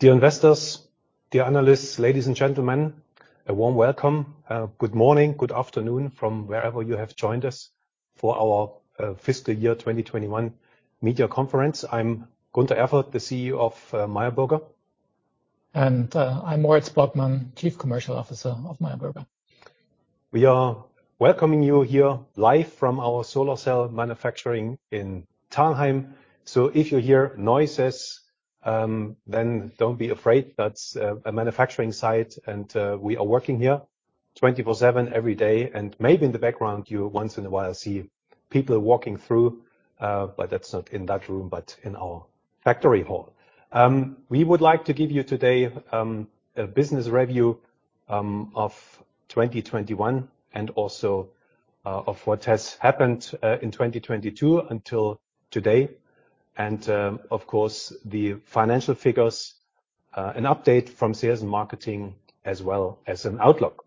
Dear investors, dear analysts, ladies and gentlemen, a warm welcome. Good morning, good afternoon from wherever you have joined us for our Fiscal Year 2021 Media Conference. I'm Gunter Erfurt, the CEO of Meyer Burger. I'm Moritz Borgmann, Chief Commercial Officer of Meyer Burger. We are welcoming you here live from our solar cell manufacturing in Thalheim. If you hear noises, then don't be afraid. That's a manufacturing site, and we are working here 24/7 every day. Maybe in the background, you once in a while see people walking through, but that's not in that room, but in our factory hall. We would like to give you today a business review of 2021 and also of what has happened in 2022 until today and, of course, the financial figures, an update from sales and marketing, as well as an outlook.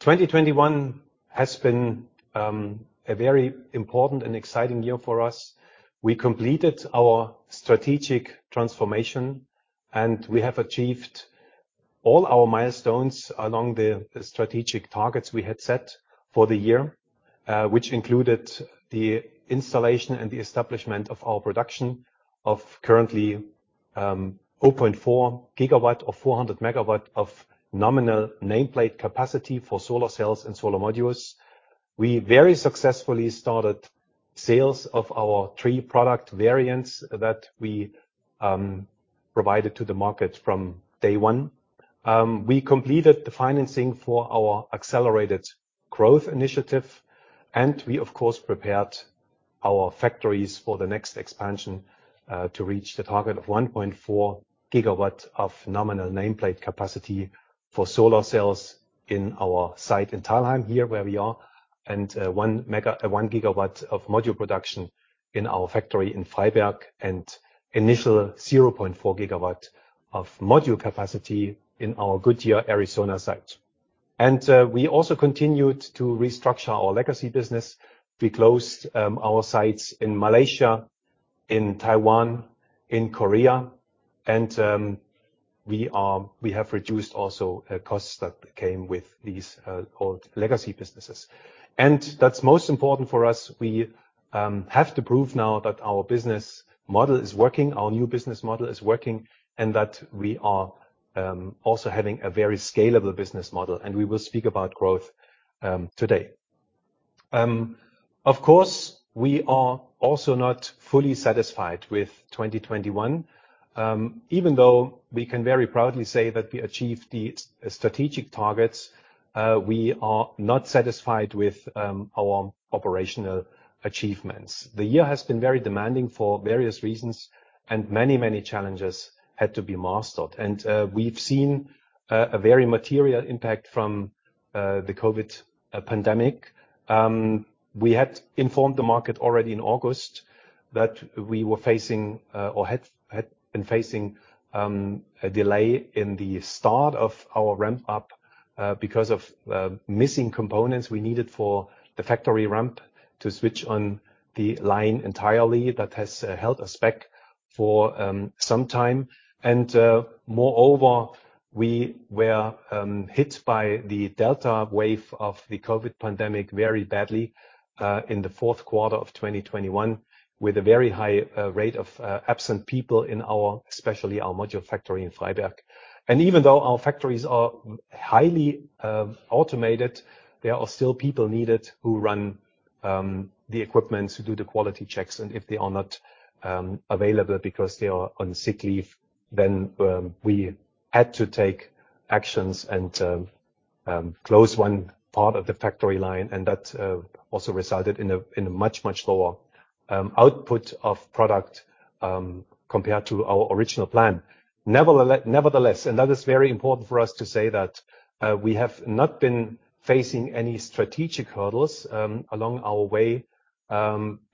2021 has been a very important and exciting year for us. We completed our strategic transformation, and we have achieved all our milestones along the strategic targets we had set for the year, which included the installation and the establishment of our production of currently 0.4 GW or 400 MW of nominal nameplate capacity for solar cells and solar modules. We very successfully started sales of our three product variants that we provided to the market from day one. We completed the financing for our accelerated growth initiative, and we of course prepared our factories for the next expansion to reach the target of 1.4 GW of nominal nameplate capacity for solar cells in our site in Thalheim, here where we are, and 1 GW of module production in our factory in Freiberg and initial 0.4 GW of module capacity in our Goodyear, Arizona site. We also continued to restructure our legacy business. We closed our sites in Malaysia, in Taiwan, in Korea, and we have reduced also costs that came with these old legacy businesses. That's most important for us. We have to prove now that our business model is working, our new business model is working, and that we are also having a very scalable business model, and we will speak about growth today. Of course, we are also not fully satisfied with 2021. Even though we can very proudly say that we achieved the strategic targets, we are not satisfied with our operational achievements. The year has been very demanding for various reasons, and many challenges had to be mastered. We've seen a very material impact from the COVID pandemic. We had informed the market already in August that we were facing or had been facing a delay in the start of our ramp up because of missing components we needed for the factory ramp to switch on the line entirely. That has held us back for some time. Moreover, we were hit by the Delta wave of the COVID pandemic very badly in the fourth quarter of 2021, with a very high rate of absent people in our, especially our module factory in Freiberg. Even though our factories are highly automated, there are still people needed who run the equipment to do the quality checks, and if they are not available because they are on sick leave, then we had to take actions and close one part of the factory line, and that also resulted in a much lower output of product compared to our original plan. Nevertheless, that is very important for us to say that we have not been facing any strategic hurdles along our way.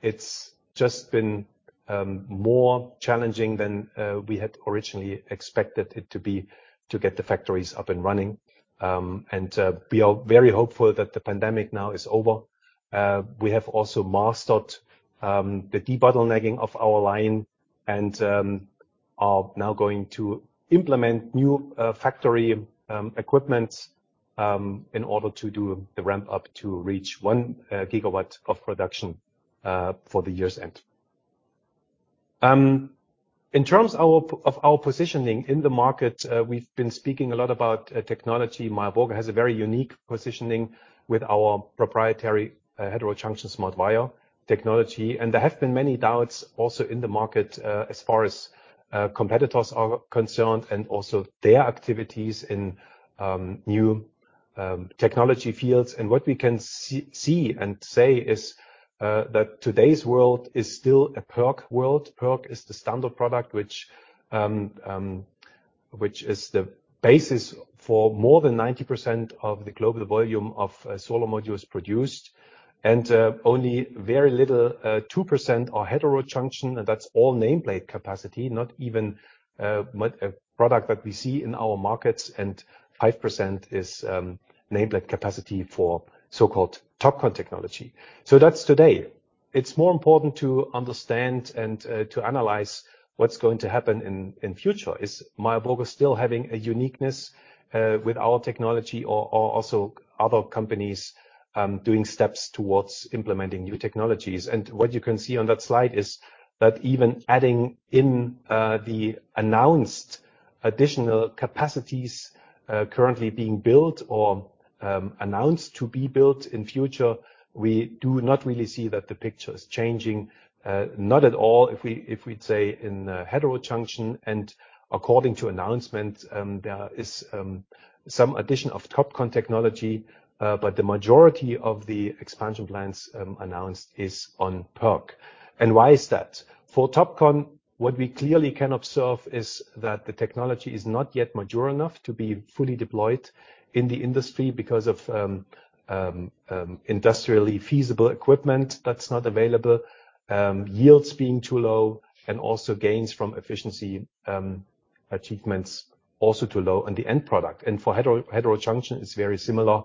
It's just been more challenging than we had originally expected it to be to get the factories up and running. We are very hopeful that the pandemic now is over. We have also mastered the debottlenecking of our line and are now going to implement new factory equipment in order to do the ramp up to reach 1 GW of production for the year's end. In terms of our positioning in the market, we've been speaking a lot about technology. Meyer Burger has a very unique positioning with our proprietary heterojunction SmartWire technology, and there have been many doubts also in the market as far as competitors are concerned and also their activities in new technology fields. What we can see and say is that today's world is still a PERC world. PERC is the standard product which is the basis for more than 90% of the global volume of solar modules produced and only very little 2% are heterojunction, and that's all nameplate capacity, not even a product that we see in our markets, and 5% is nameplate capacity for so-called TOPCon technology. That's today. It's more important to understand and to analyze what's going to happen in future. Is Meyer Burger still having a uniqueness with our technology or also other companies doing steps towards implementing new technologies? What you can see on that slide is that even adding in the announced additional capacities currently being built or announced to be built in future, we do not really see that the picture is changing not at all. If we stay in heterojunction and according to announcement, there is some addition of TOPCon technology, but the majority of the expansion plans announced is on PERC. Why is that? For TOPCon, what we clearly can observe is that the technology is not yet mature enough to be fully deployed in the industry because of industrially feasible equipment that's not available, yields being too low, and also gains from efficiency achievements also too low on the end product. For heterojunction, it's very similar.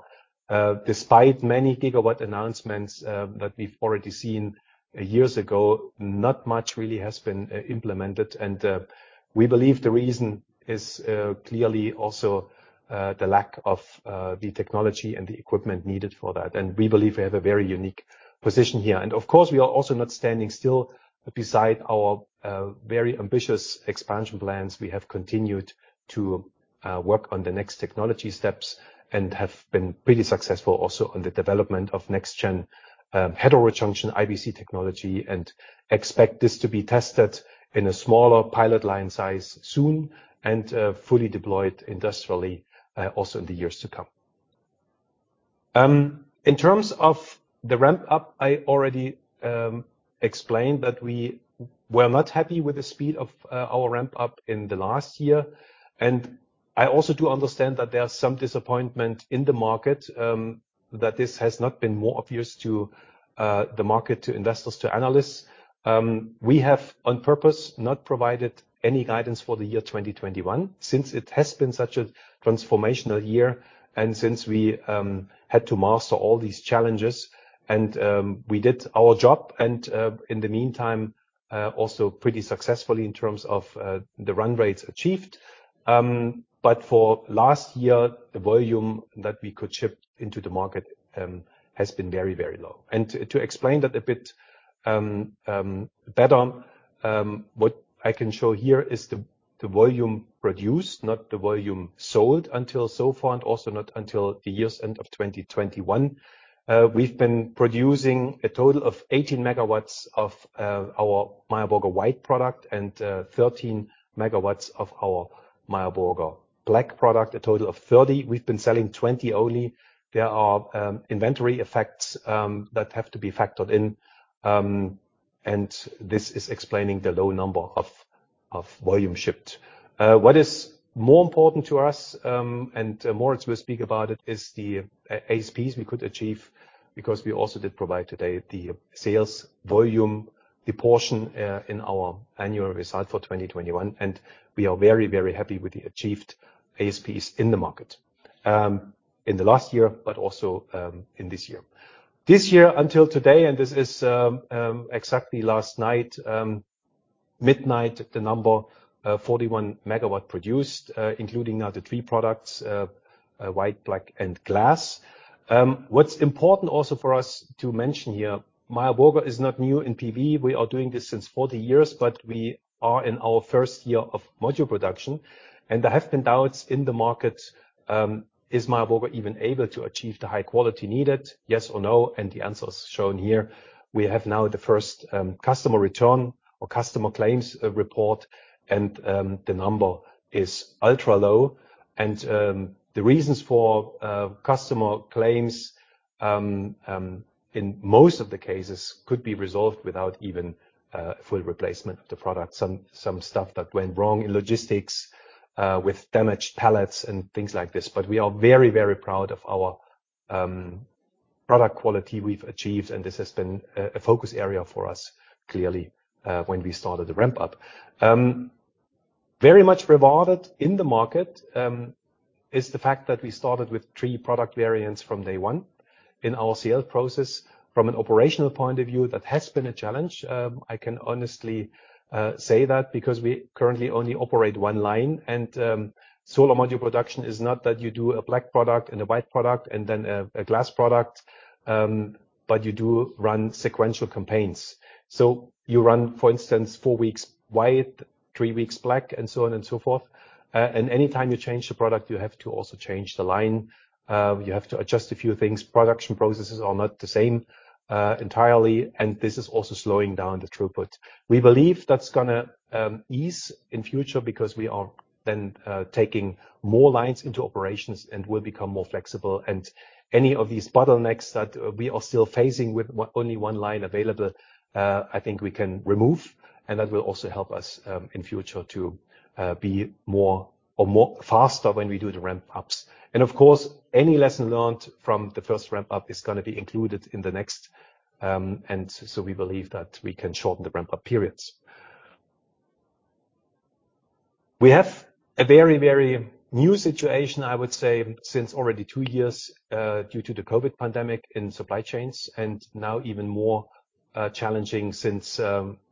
Despite many gigawatt announcements that we've already seen years ago, not much really has been implemented. We believe the reason is clearly also the lack of the technology and the equipment needed for that. We believe we have a very unique position here. Of course, we are also not standing still besides our very ambitious expansion plans. We have continued to work on the next technology steps and have been pretty successful also on the development of next gen heterojunction IBC technology and expect this to be tested in a smaller pilot line size soon and fully deployed industrially also in the years to come. In terms of the ramp up, I already explained that we were not happy with the speed of our ramp up in the last year. I also do understand that there are some disappointment in the market that this has not been more obvious to the market, to investors, to analysts. We have on purpose not provided any guidance for the year 2021, since it has been such a transformational year and since we had to master all these challenges. We did our job, and in the meantime also pretty successfully in terms of the run rates achieved. For last year, the volume that we could ship into the market has been very, very low. To explain that a bit better, what I can show here is the volume produced, not the volume sold until so far, and also not until the year's end of 2021. We've been producing a total of 18 MW of our Meyer Burger White product and 13 MW of our Meyer Burger Black product, a total of 30. We've been selling 20 only. There are inventory effects that have to be factored in, and this is explaining the low number of volume shipped. What is more important to us, and Moritz will speak about it, is the ASPs we could achieve, because we also did provide today the sales volume, the portion in our annual result for 2021. We are very, very happy with the achieved ASPs in the market in the last year, but also in this year. This year until today, and this is exactly last night midnight, the number 41 MW produced, including now the three products White, Black and Glass. What's important also for us to mention here, Meyer Burger is not new in PV. We are doing this since 40 years, but we are in our first year of module production, and there have been doubts in the market. Is Meyer Burger even able to achieve the high quality needed? Yes or no? The answer is shown here. We have now the first customer return or customer claims report, and the number is ultra-low. The reasons for customer claims in most of the cases could be resolved without even full replacement of the product. Some stuff that went wrong in logistics with damaged pallets and things like this. But we are very, very proud of our product quality we've achieved, and this has been a focus area for us, clearly, when we started the ramp up. Very much rewarded in the market is the fact that we started with three product variants from day one in our cell process. From an operational point of view, that has been a challenge. I can honestly say that because we currently only operate one line, and solar module production is not that you do a black product and a white product and then a glass product, but you do run sequential campaigns. You run, for instance, four weeks white, three weeks black, and so on and so forth. Any time you change the product, you have to also change the line. You have to adjust a few things. Production processes are not the same entirely, and this is also slowing down the throughput. We believe that's gonna ease in future because we are then taking more lines into operations and will become more flexible. Any of these bottlenecks that we are still facing with only one line available, I think we can remove, and that will also help us in future to be more faster when we do the ramp ups. Of course, any lesson learned from the first ramp-up is gonna be included in the next, and so we believe that we can shorten the ramp-up periods. We have a very, very new situation, I would say, since already two years due to the COVID pandemic in supply chains, and now even more challenging since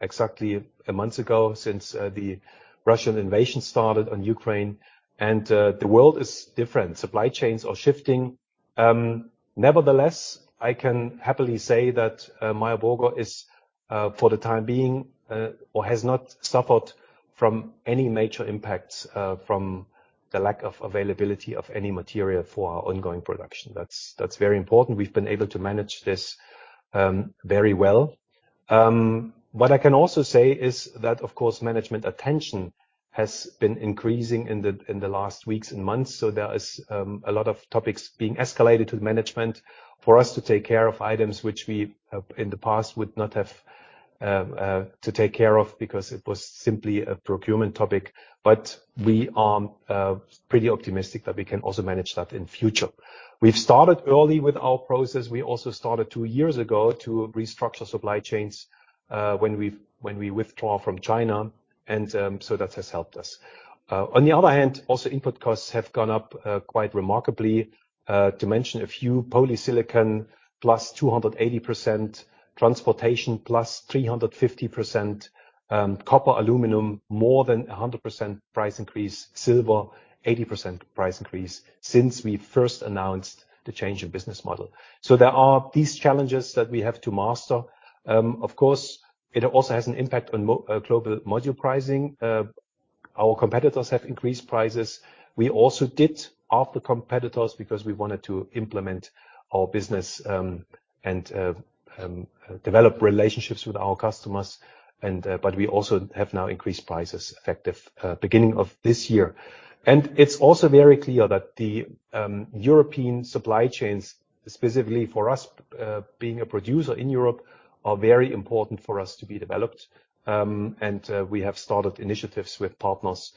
exactly a month ago, since the Russian invasion started on Ukraine and the world is different. Supply chains are shifting. Nevertheless, I can happily say that Meyer Burger is, for the time being, or has not suffered from any major impacts from the lack of availability of any material for our ongoing production. That's very important. We've been able to manage this very well. What I can also say is that of course management attention has been increasing in the last weeks and months, so there is a lot of topics being escalated to the management for us to take care of items which we in the past would not have to take care of because it was simply a procurement topic. We are pretty optimistic that we can also manage that in future. We've started early with our process. We also started two years ago to restructure supply chains, when we withdrew from China, and so that has helped us. On the other hand, also input costs have gone up quite remarkably. To mention a few, polysilicon, +280%, transportation, +350%, copper, aluminum, more than 100% price increase, silver, 80% price increase since we first announced the change in business model. There are these challenges that we have to master. Of course, it also has an impact on global module pricing. Our competitors have increased prices. We also did after competitors because we wanted to implement our business and develop relationships with our customers, but we also have now increased prices effective beginning of this year. It's also very clear that the European supply chains, specifically for us, being a producer in Europe, are very important for us to be developed, and we have started initiatives with partners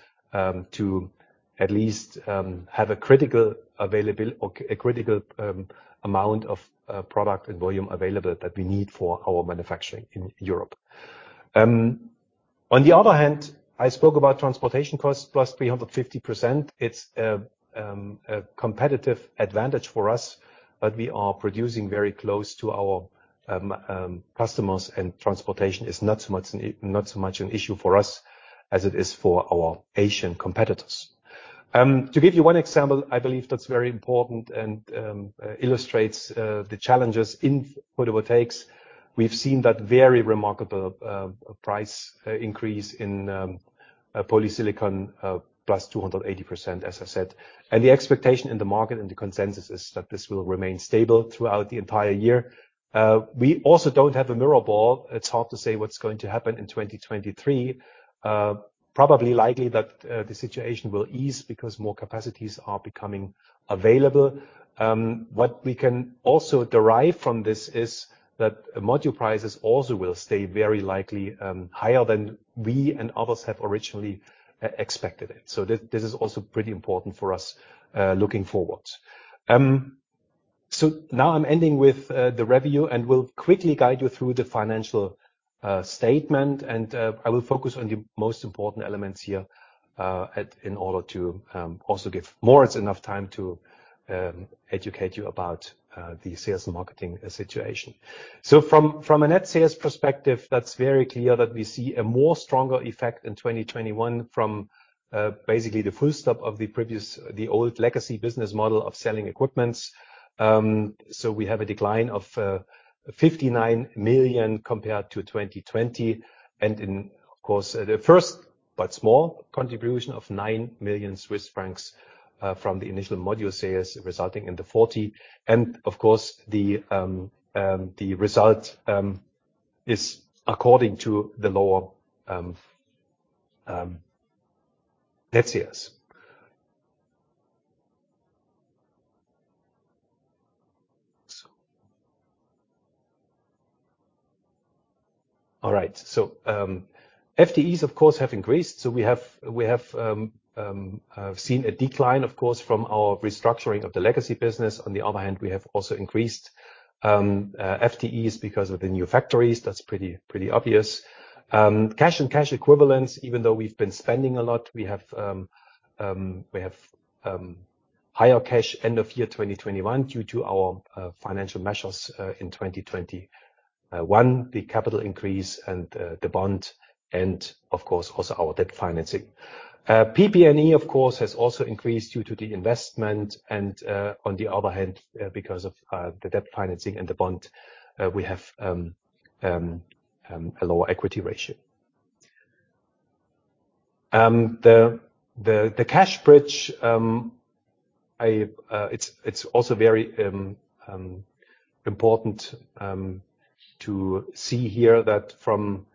to at least have a critical amount of product and volume available that we need for our manufacturing in Europe. On the other hand, I spoke about transportation costs plus 350%. It's a competitive advantage for us that we are producing very close to our customers and transportation is not so much an issue for us as it is for our Asian competitors. To give you one example, I believe that's very important and illustrates the challenges in photovoltaics. We've seen that very remarkable price increase in polysilicon, plus 280%, as I said. The expectation in the market and the consensus is that this will remain stable throughout the entire year. We also don't have a crystal ball. It's hard to say what's going to happen in 2023. Probably likely that the situation will ease because more capacities are becoming available. What we can also derive from this is that module prices also will stay very likely higher than we and others have originally expected it. This is also pretty important for us looking forward. Now I'm ending with the review, and will quickly guide you through the financial statement, and I will focus on the most important elements here in order to also give Moritz enough time to educate you about the sales and marketing situation. From a net sales perspective, that's very clear that we see a more stronger effect in 2021 from basically the full stop of the old legacy business model of selling equipment. We have a decline of 59 million compared to 2020. Of course, the first but small contribution of 9 million Swiss francs from the initial module sales resulting in the 40. Of course, the result is according to the lower net sales. All right. FTEs of course have increased, so we have seen a decline, of course, from our restructuring of the legacy business. On the other hand, we have also increased FTEs because of the new factories. That's pretty obvious. Cash and cash equivalents, even though we've been spending a lot, we have higher cash end of year 2021 due to our financial measures in 2021, the capital increase and the bond and of course also our debt financing. PP&E of course has also increased due to the investment and on the other hand because of the debt financing and the bond, we have a lower equity ratio. The cash bridge, it's also very important to see here that from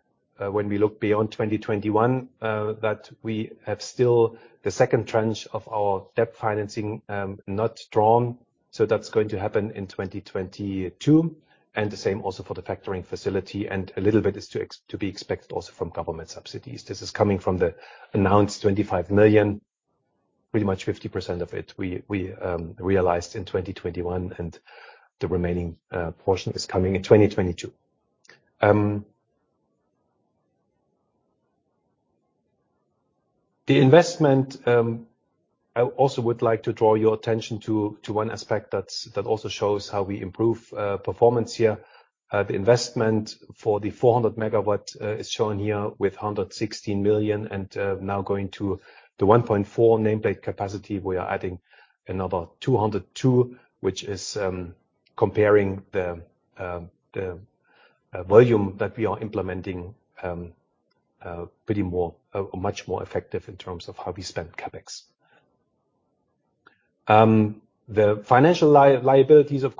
when we look beyond 2021, that we have still the second tranche of our debt financing not drawn. That's going to happen in 2022, and the same also for the factoring facility and a little bit is to be expected also from government subsidies. This is coming from the announced 25 million, pretty much 50% of it we realized in 2021, and the remaining portion is coming in 2022. The investment, I also would like to draw your attention to one aspect that also shows how we improve performance here. The investment for the 400 MW is shown here with 116 million, and now going to the 1.4 GW nameplate capacity, we are adding another 202, which is comparing the volume that we are implementing much more effective in terms of how we spend CapEx. The financial liabilities have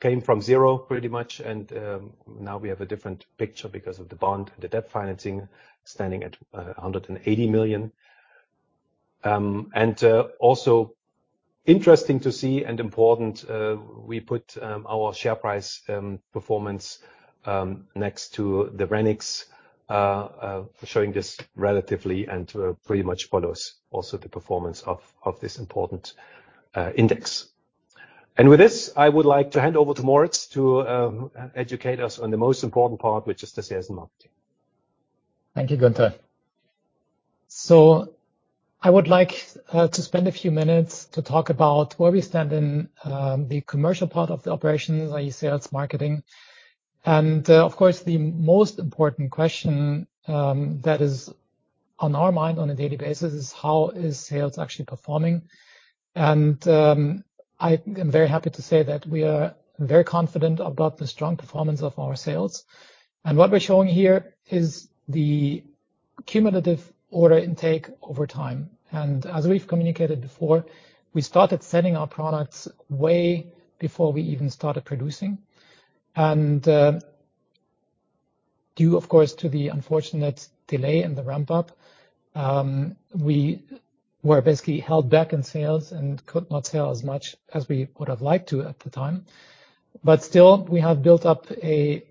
come from zero pretty much, and now we have a different picture because of the bond, the debt financing standing at 180 million. Also interesting to see and important, we put our share price performance next to the RENIXX, showing this relatively and pretty much follows also the performance of this important index. With this, I would like to hand over to Moritz to educate us on the most important part, which is the sales and marketing. Thank you, Gunter. I would like to spend a few minutes to talk about where we stand in the commercial part of the operations, i.e., sales marketing. Of course, the most important question that is on our mind on a daily basis is how is sales actually performing. I am very happy to say that we are very confident about the strong performance of our sales. What we're showing here is the cumulative order intake over time. As we've communicated before, we started selling our products way before we even started producing. Due, of course, to the unfortunate delay in the ramp up, we were basically held back in sales and could not sell as much as we would have liked to at the time. Still, we have built up a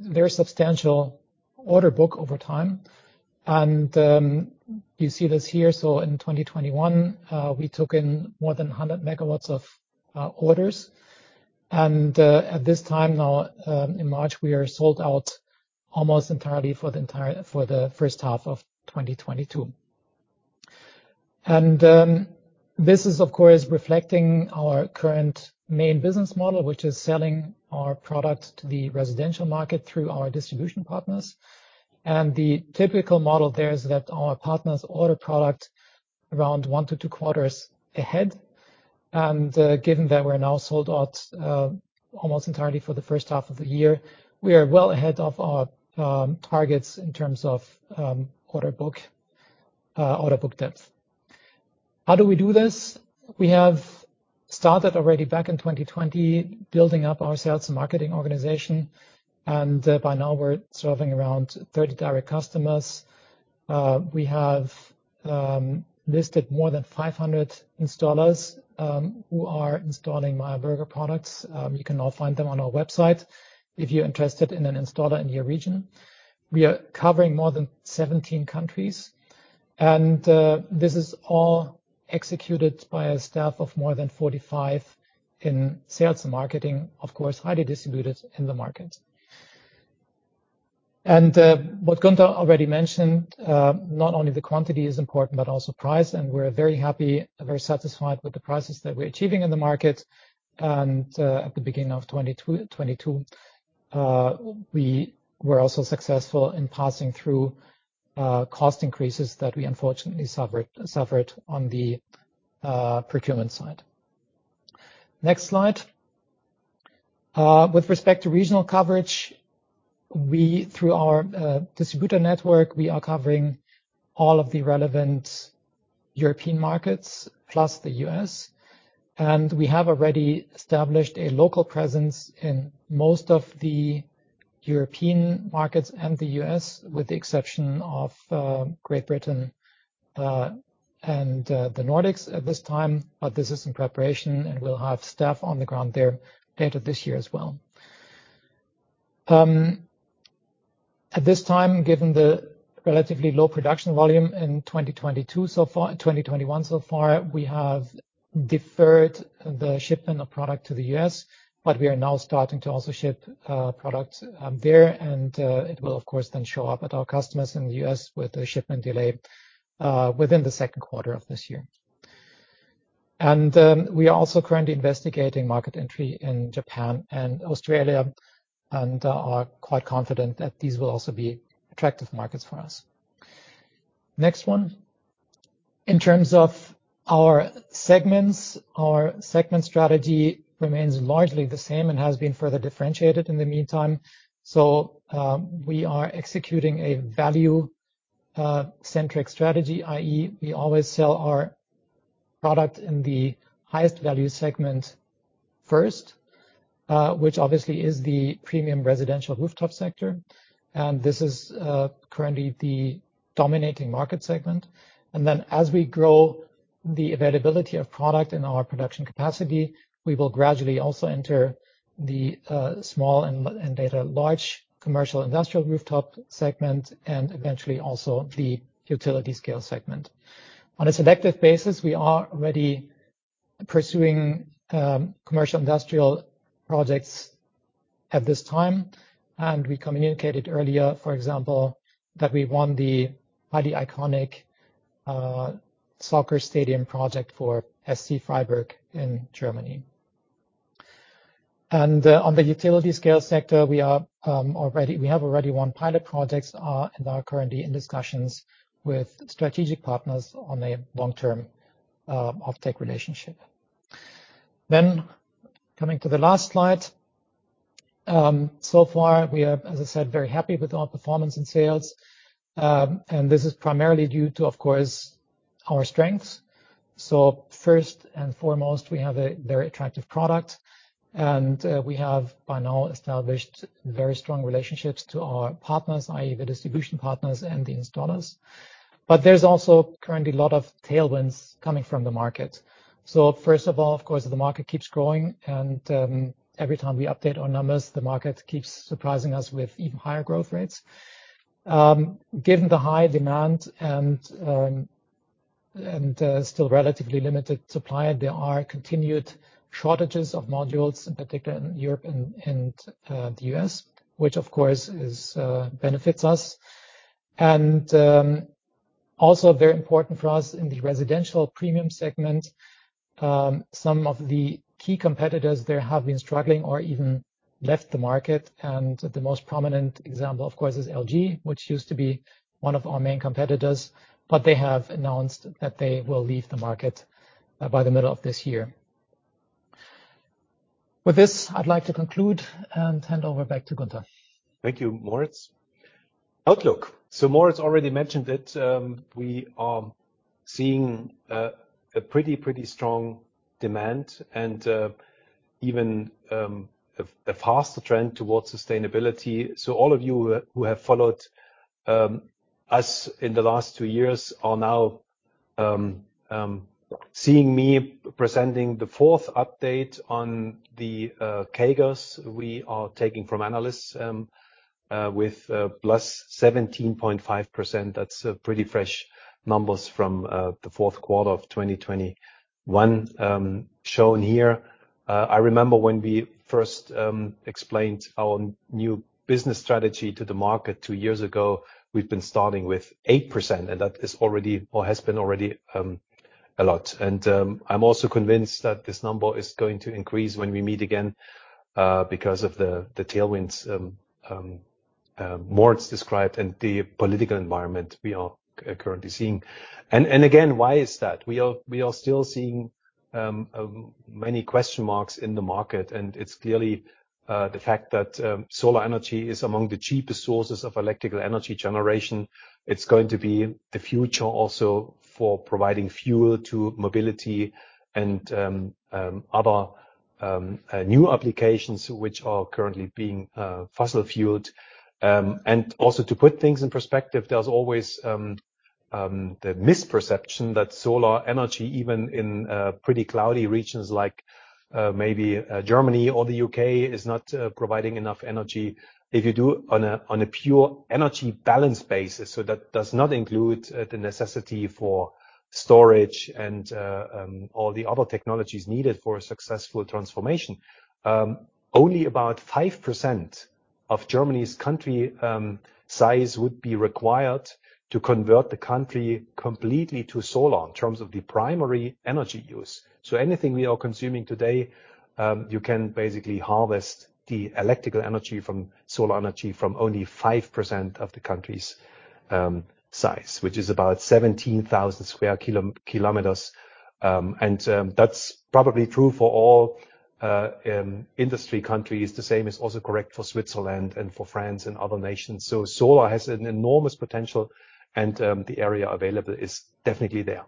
very substantial order book over time. You see this here. In 2021, we took in more than 100 MW of orders. At this time now, in March, we are sold out almost entirely for the first half of 2022. This is of course reflecting our current main business model, which is selling our product to the residential market through our distribution partners. The typical model there is that our partners order product around 1 to 2 quarters ahead. Given that we're now sold out almost entirely for the first half of the year, we are well ahead of our targets in terms of order book depth. How do we do this? We have started already back in 2020 building up our sales and marketing organization, and by now we're serving around 30 direct customers. We have listed more than 500 installers who are installing Meyer Burger products. You can all find them on our website if you're interested in an installer in your region. We are covering more than 17 countries. This is all executed by a staff of more than 45 in sales and marketing, of course, highly distributed in the market. What Gunter already mentioned, not only the quantity is important, but also price, and we're very happy and very satisfied with the prices that we're achieving in the market. At the beginning of 2022, we were also successful in passing through cost increases that we unfortunately suffered on the procurement side. Next slide. With respect to regional coverage, we, through our distributor network, are covering all of the relevant European markets plus the U.S. We have already established a local presence in most of the European markets and the U.S., with the exception of Great Britain and the Nordics at this time, but this is in preparation, and we'll have staff on the ground there later this year as well. At this time, given the relatively low production volume in 2021 so far, we have deferred the shipment of product to the U.S., but we are now starting to also ship product there. It will of course then show up at our customers in the U.S. with a shipment delay within the second quarter of this year. We are also currently investigating market entry in Japan and Australia and are quite confident that these will also be attractive markets for us. Next one. In terms of our segments, our segment strategy remains largely the same and has been further differentiated in the meantime. We are executing a value centric strategy, i.e., we always sell our product in the highest value segment first, which obviously is the premium residential rooftop sector. This is currently the dominating market segment. As we grow the availability of product and our production capacity, we will gradually also enter the small and large commercial industrial rooftop segment and eventually also the utility scale segment. On a selective basis, we are already pursuing commercial industrial projects at this time, and we communicated earlier, for example, that we won the highly iconic soccer stadium project for SC Freiburg in Germany. On the utility scale sector, we have already won pilot projects and are currently in discussions with strategic partners on a long-term offtake relationship. Coming to the last slide. So far we are, as I said, very happy with our performance and sales. This is primarily due to, of course, our strengths. First and foremost, we have a very attractive product, and we have by now established very strong relationships to our partners, i.e. the distribution partners and the installers. There's also currently a lot of tailwinds coming from the market. First of all, of course, the market keeps growing, and every time we update our numbers, the market keeps surprising us with even higher growth rates. Given the high demand and still relatively limited supply, there are continued shortages of modules, in particular in Europe and the U.S., which of course benefits us. Also very important for us in the residential premium segment, some of the key competitors there have been struggling or even left the market, and the most prominent example, of course, is LG, which used to be one of our main competitors, but they have announced that they will leave the market by the middle of this year. With this, I'd like to conclude and hand over back to Gunter. Thank you, Moritz. Outlook. Moritz already mentioned it. We are seeing a pretty strong demand and even a faster trend towards sustainability. All of you who have followed us in the last two years are now seeing me presenting the fourth update on the CAGRs we are taking from analysts with plus 17.5%. That's pretty fresh numbers from the fourth quarter of 2021, shown here. I remember when we first explained our new business strategy to the market two years ago. We've been starting with 8%, and that is already or has been already a lot. I'm also convinced that this number is going to increase when we meet again, because of the tailwinds Moritz described and the political environment we are currently seeing. Again, why is that? We are still seeing many question marks in the market, and it's clearly the fact that solar energy is among the cheapest sources of electrical energy generation. It's going to be the future also for providing fuel to mobility and other new applications which are currently being fossil fueled. Also to put things in perspective, there's always the misperception that solar energy, even in pretty cloudy regions like maybe Germany or the U.K., is not providing enough energy. If you do on a pure energy balance basis, that does not include the necessity for storage and all the other technologies needed for a successful transformation, only about 5% of Germany's country size would be required to convert the country completely to solar in terms of the primary energy use. Anything we are consuming today, you can basically harvest the electrical energy from solar energy from only 5% of the country's size, which is about 17,000 square kilometers. That's probably true for all industrial countries. The same is also correct for Switzerland and for France and other nations. Solar has an enormous potential and the area available is definitely there.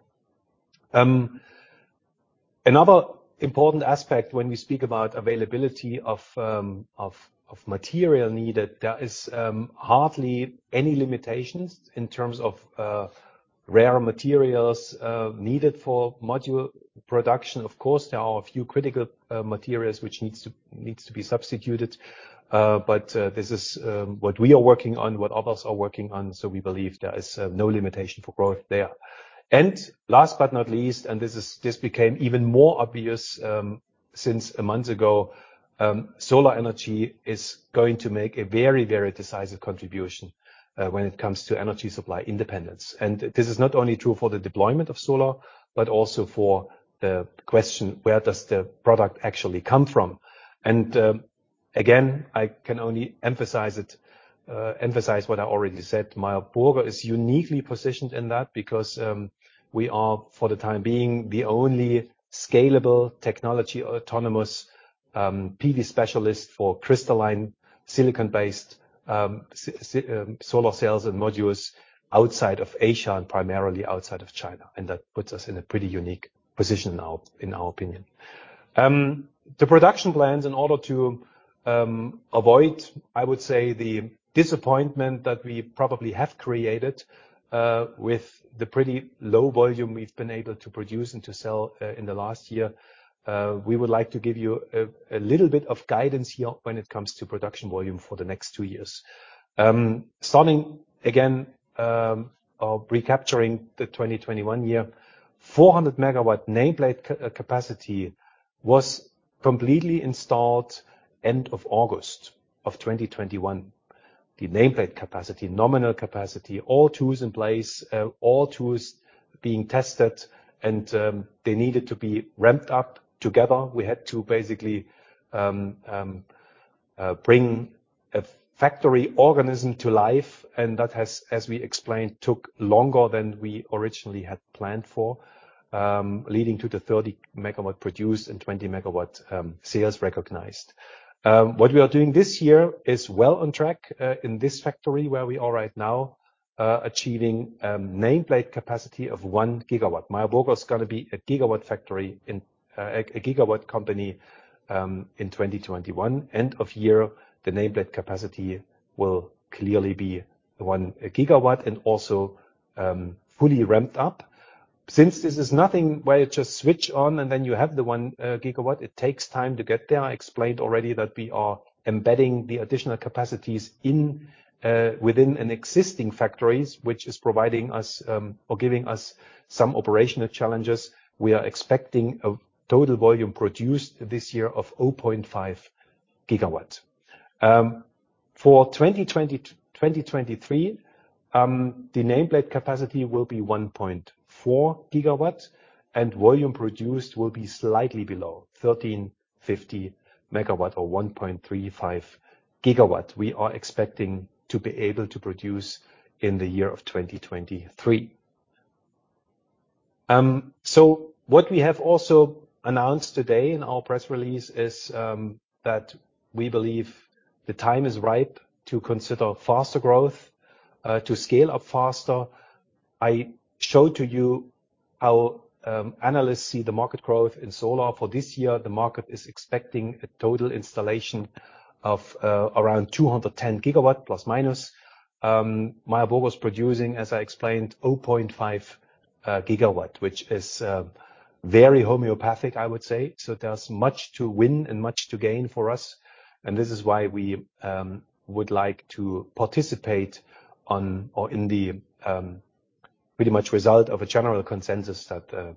Another important aspect when we speak about availability of material needed, there is hardly any limitations in terms of rare materials needed for module production. Of course, there are a few critical materials which needs to be substituted, but this is what we are working on, what others are working on, so we believe there is no limitation for growth there. Last but not least, this became even more obvious since a month ago, solar energy is going to make a very, very decisive contribution when it comes to energy supply independence. This is not only true for the deployment of solar, but also for the question, where does the product actually come from? Again, I can only emphasize what I already said. Meyer Burger is uniquely positioned in that because we are, for the time being, the only scalable technology autonomous PV specialist for crystalline silicon-based c-Si solar cells and modules outside of Asia and primarily outside of China. That puts us in a pretty unique position now, in our opinion. The production plans, in order to avoid, I would say, the disappointment that we probably have created with the pretty low volume we've been able to produce and to sell in the last year. We would like to give you a little bit of guidance here when it comes to production volume for the next two years. Starting again or recapturing the 2021 year, 400 MW nameplate capacity was completely installed end of August 2021. The nameplate capacity, nominal capacity, all tools in place, all tools being tested, and they needed to be ramped up together. We had to basically bring a factory organism to life, and that has, as we explained, took longer than we originally had planned for, leading to the 30 MW produced and 20 MW sales recognized. What we are doing this year is well on track in this factory where we are right now, achieving nameplate capacity of 1 GW. Meyer Burger is gonna be a gigawatt factory in a gigawatt company in 2021. End of year, the nameplate capacity will clearly be 1 GW and also fully ramped up. Since this is nothing where you just switch on and then you have the 1 GW, it takes time to get there. I explained already that we are embedding the additional capacities within an existing factories, which is providing us or giving us some operational challenges. We are expecting a total volume produced this year of 0.5 GW. For 2023, the nameplate capacity will be 1.4 GW, and volume produced will be slightly below 1,350 MW or 1.35 GW we are expecting to be able to produce in the year of 2023. What we have also announced today in our press release is that we believe the time is ripe to consider faster growth, to scale up faster. I showed to you how analysts see the market growth in solar. For this year, the market is expecting a total installation of around 210 GW, plus or minus. Meyer Burger was producing, as I explained, 0.5 GW, which is very homeopathic, I would say. There's much to win and much to gain for us, and this is why we would like to participate on or in the pretty much result of a general consensus that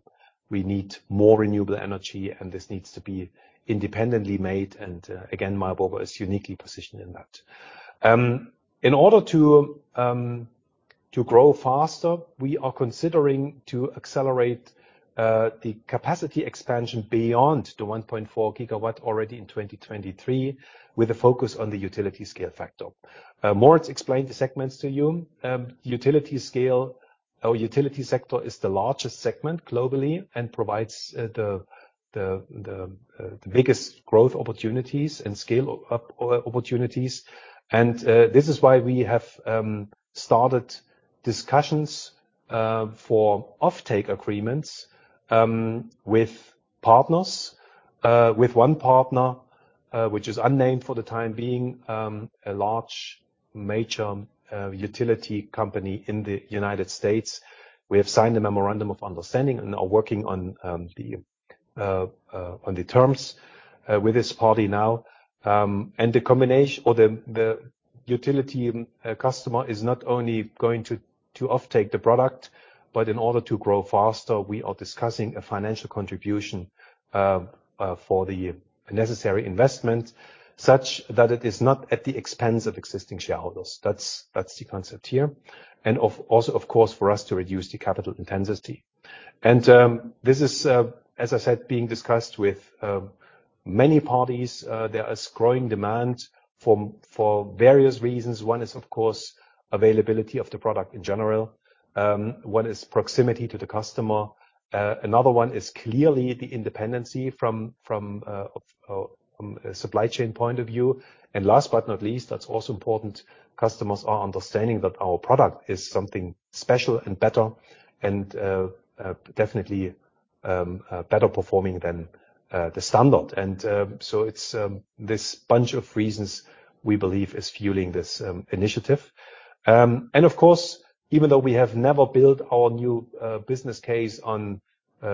we need more renewable energy, and this needs to be independently made, and again, Meyer Burger is uniquely positioned in that. In order to grow faster, we are considering to accelerate the capacity expansion beyond the 1.4 GW already in 2023 with a focus on the utility scale sector. Moritz explained the segments to you. Utility scale or utility sector is the largest segment globally and provides the biggest growth opportunities and scale up opportunities. This is why we have started discussions for offtake agreements with partners. With one partner which is unnamed for the time being, a large, major utility company in the United States. We have signed a memorandum of understanding and are working on the terms with this party now. The combination or the utility customer is not only going to offtake the product, but in order to grow faster, we are discussing a financial contribution for the necessary investment, such that it is not at the expense of existing shareholders. That's the concept here. Also, of course, for us to reduce the capital intensity. This is as I said being discussed with many parties. There is growing demand for various reasons. One is, of course, availability of the product in general. One is proximity to the customer. Another one is clearly the independence from a supply chain point of view. Last but not least, that's also important, customers are understanding that our product is something special and better and definitely better performing than the standard. This bunch of reasons we believe is fueling this initiative. Of course, even though we have never built our new business case on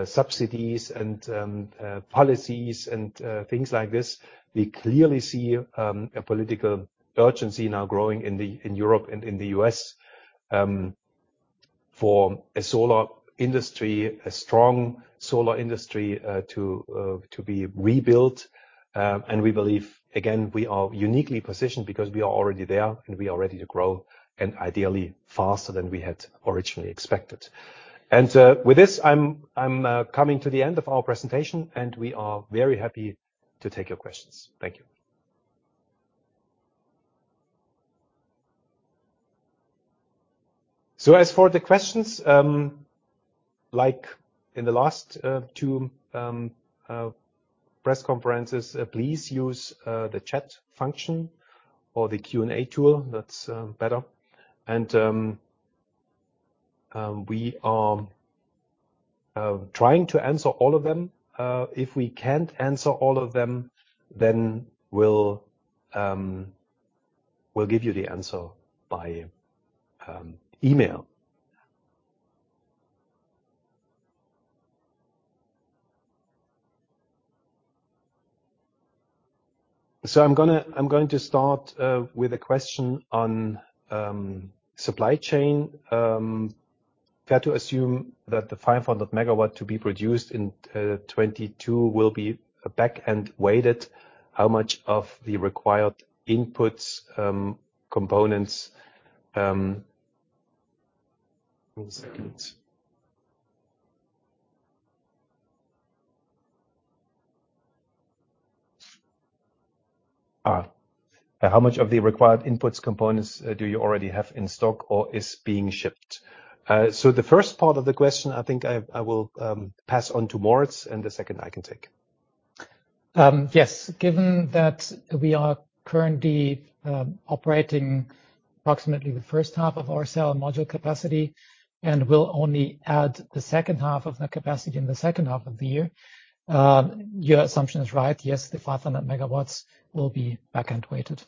subsidies and policies and things like this, we clearly see a political urgency now growing in Europe and in the U.S. for a solar industry, a strong solar industry to be rebuilt. We believe, again, we are uniquely positioned because we are already there, and we are ready to grow and ideally faster than we had originally expected. With this, I'm coming to the end of our presentation, and we are very happy to take your questions. Thank you. As for the questions, like in the last 2 press conferences, please use the chat function or the Q&A tool. That's better. We are trying to answer all of them. If we can't answer all of them, then we'll give you the answer by email. I'm going to start with a question on supply chain. Fair to assume that the 500 MW to be produced in 2022 will be back-end weighted. How much of the required inputs, components, do you already have in stock or is being shipped? The first part of the question, I think I will pass on to Moritz, and the second I can take. Yes. Given that we are currently operating approximately the first half of our cell module capacity and will only add the second half of that capacity in the second half of the year, your assumption is right. Yes, the 500 MW will be back-end weighted.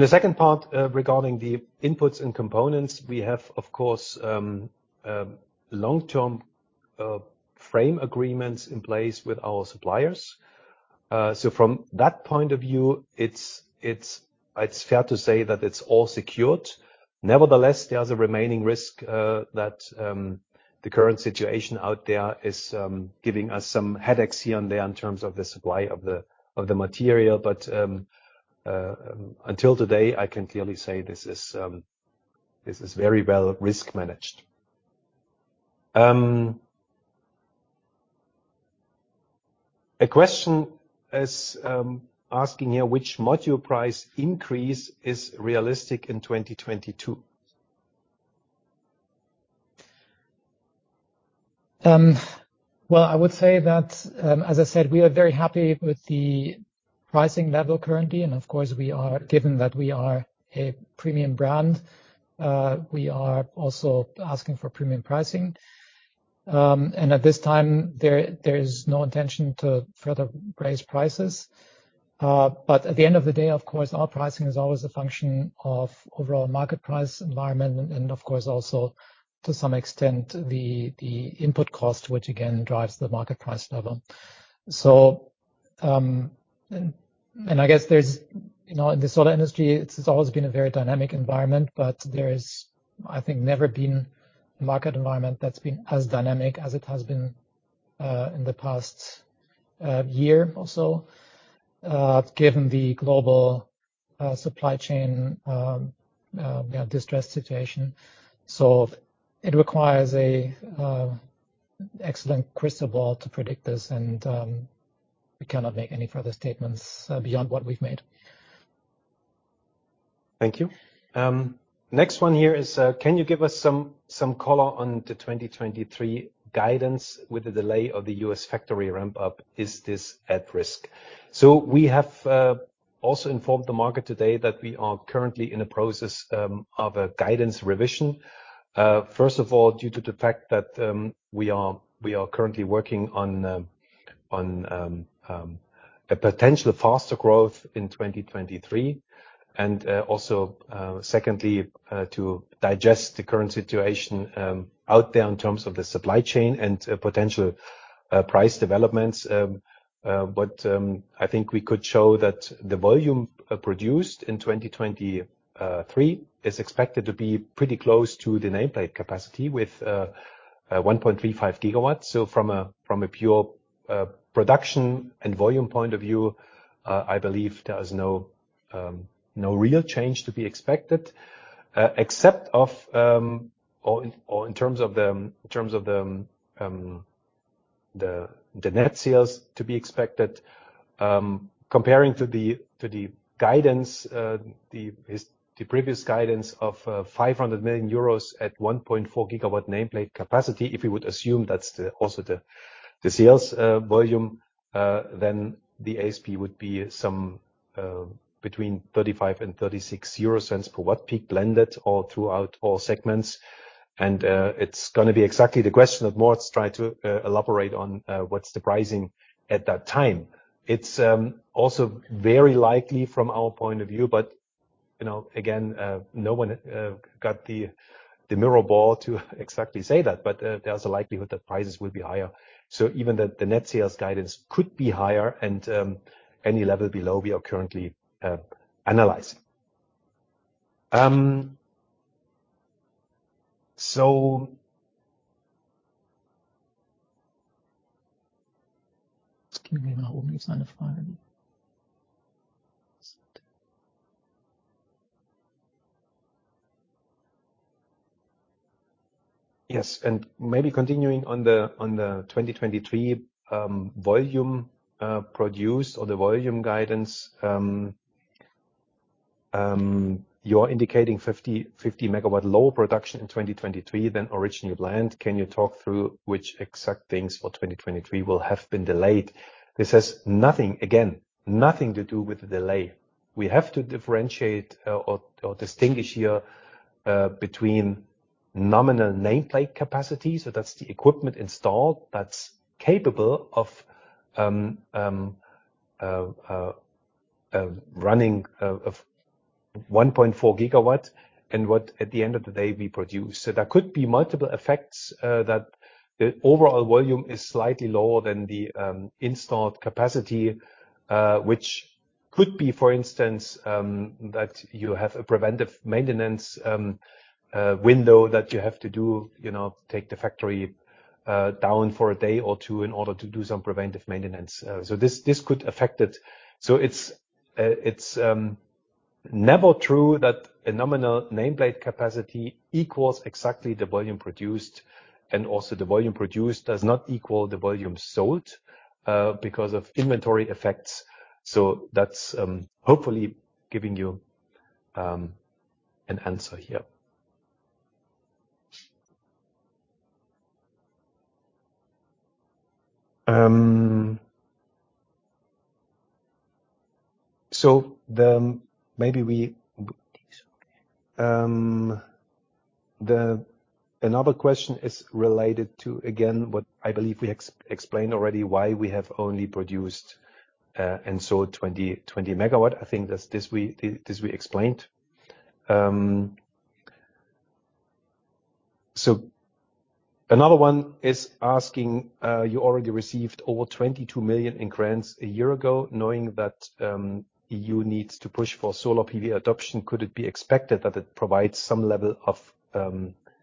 The second part, regarding the inputs and components, we have, of course, long-term framework agreements in place with our suppliers. So from that point of view, it's fair to say that it's all secured. Nevertheless, there's a remaining risk that the current situation out there is giving us some headaches here and there in terms of the supply of the material. But until today, I can clearly say this is very well risk managed. A question is asking here which module price increase is realistic in 2022. I would say that, as I said, we are very happy with the pricing level currently, and of course we are, given that we are a premium brand, we are also asking for premium pricing. At this time, there is no intention to further raise prices. At the end of the day, of course, our pricing is always a function of overall market price environment and of course also to some extent the input cost, which again drives the market price level. I guess there's, you know, in the solar industry it's always been a very dynamic environment, but there is, I think, never been a market environment that's been as dynamic as it has been in the past year or so, given the global supply chain, you know, distressed situation. It requires a excellent crystal ball to predict this, and we cannot make any further statements beyond what we've made. Thank you. Next one here is, can you give us some color on the 2023 guidance with the delay of the U.S. factory ramp up, is this at risk? We have also informed the market today that we are currently in a process of a guidance revision. First of all, due to the fact that we are currently working on a potential faster growth in 2023, and secondly, to digest the current situation out there in terms of the supply chain and potential price developments. I think we could show that the volume produced in 2023 is expected to be pretty close to the nameplate capacity with 1.35 GW From a pure production and volume point of view, I believe there is no real change to be expected, except for, or in terms of the net sales to be expected, comparing to the guidance, the previous guidance of 500 million euros at 1.4 GW nameplate capacity. If we would assume that's also the sales volume, then the ASP would be somewhere between 0.35-0.36 euro per Wp blended all throughout all segments. It's gonna be exactly the question that Moritz tried to elaborate on, what's the pricing at that time. It's also very likely from our point of view, but you know, again, no one got the crystal ball to exactly say that. There's a likelihood that prices will be higher. Even the net sales guidance could be higher and any level below we are currently analyzing. Yes, maybe continuing on the 2023 volume produced or the volume guidance, you're indicating 50 MW lower production in 2023 than originally planned. Can you talk through which exact things for 2023 will have been delayed? This has nothing to do with the delay. We have to differentiate or distinguish here between nominal nameplate capacity, so that's the equipment installed that's capable of 1.4 GW and what at the end of the day we produce. There could be multiple effects that the overall volume is slightly lower than the installed capacity, which could be, for instance, that you have a preventive maintenance window that you have to do, you know, take the factory down for a day or two in order to do some preventive maintenance. This could affect it. It's never true that a nominal nameplate capacity equals exactly the volume produced, and also the volume produced does not equal the volume sold because of inventory effects. That's hopefully giving you an answer here. Another question is related to, again, what I believe we explained already, why we have only produced 20 MW. I think that's this we explained. Another one is asking, you already received over 22 million in grants a year ago. Knowing that, EU needs to push for solar PV adoption, could it be expected that it provides some level of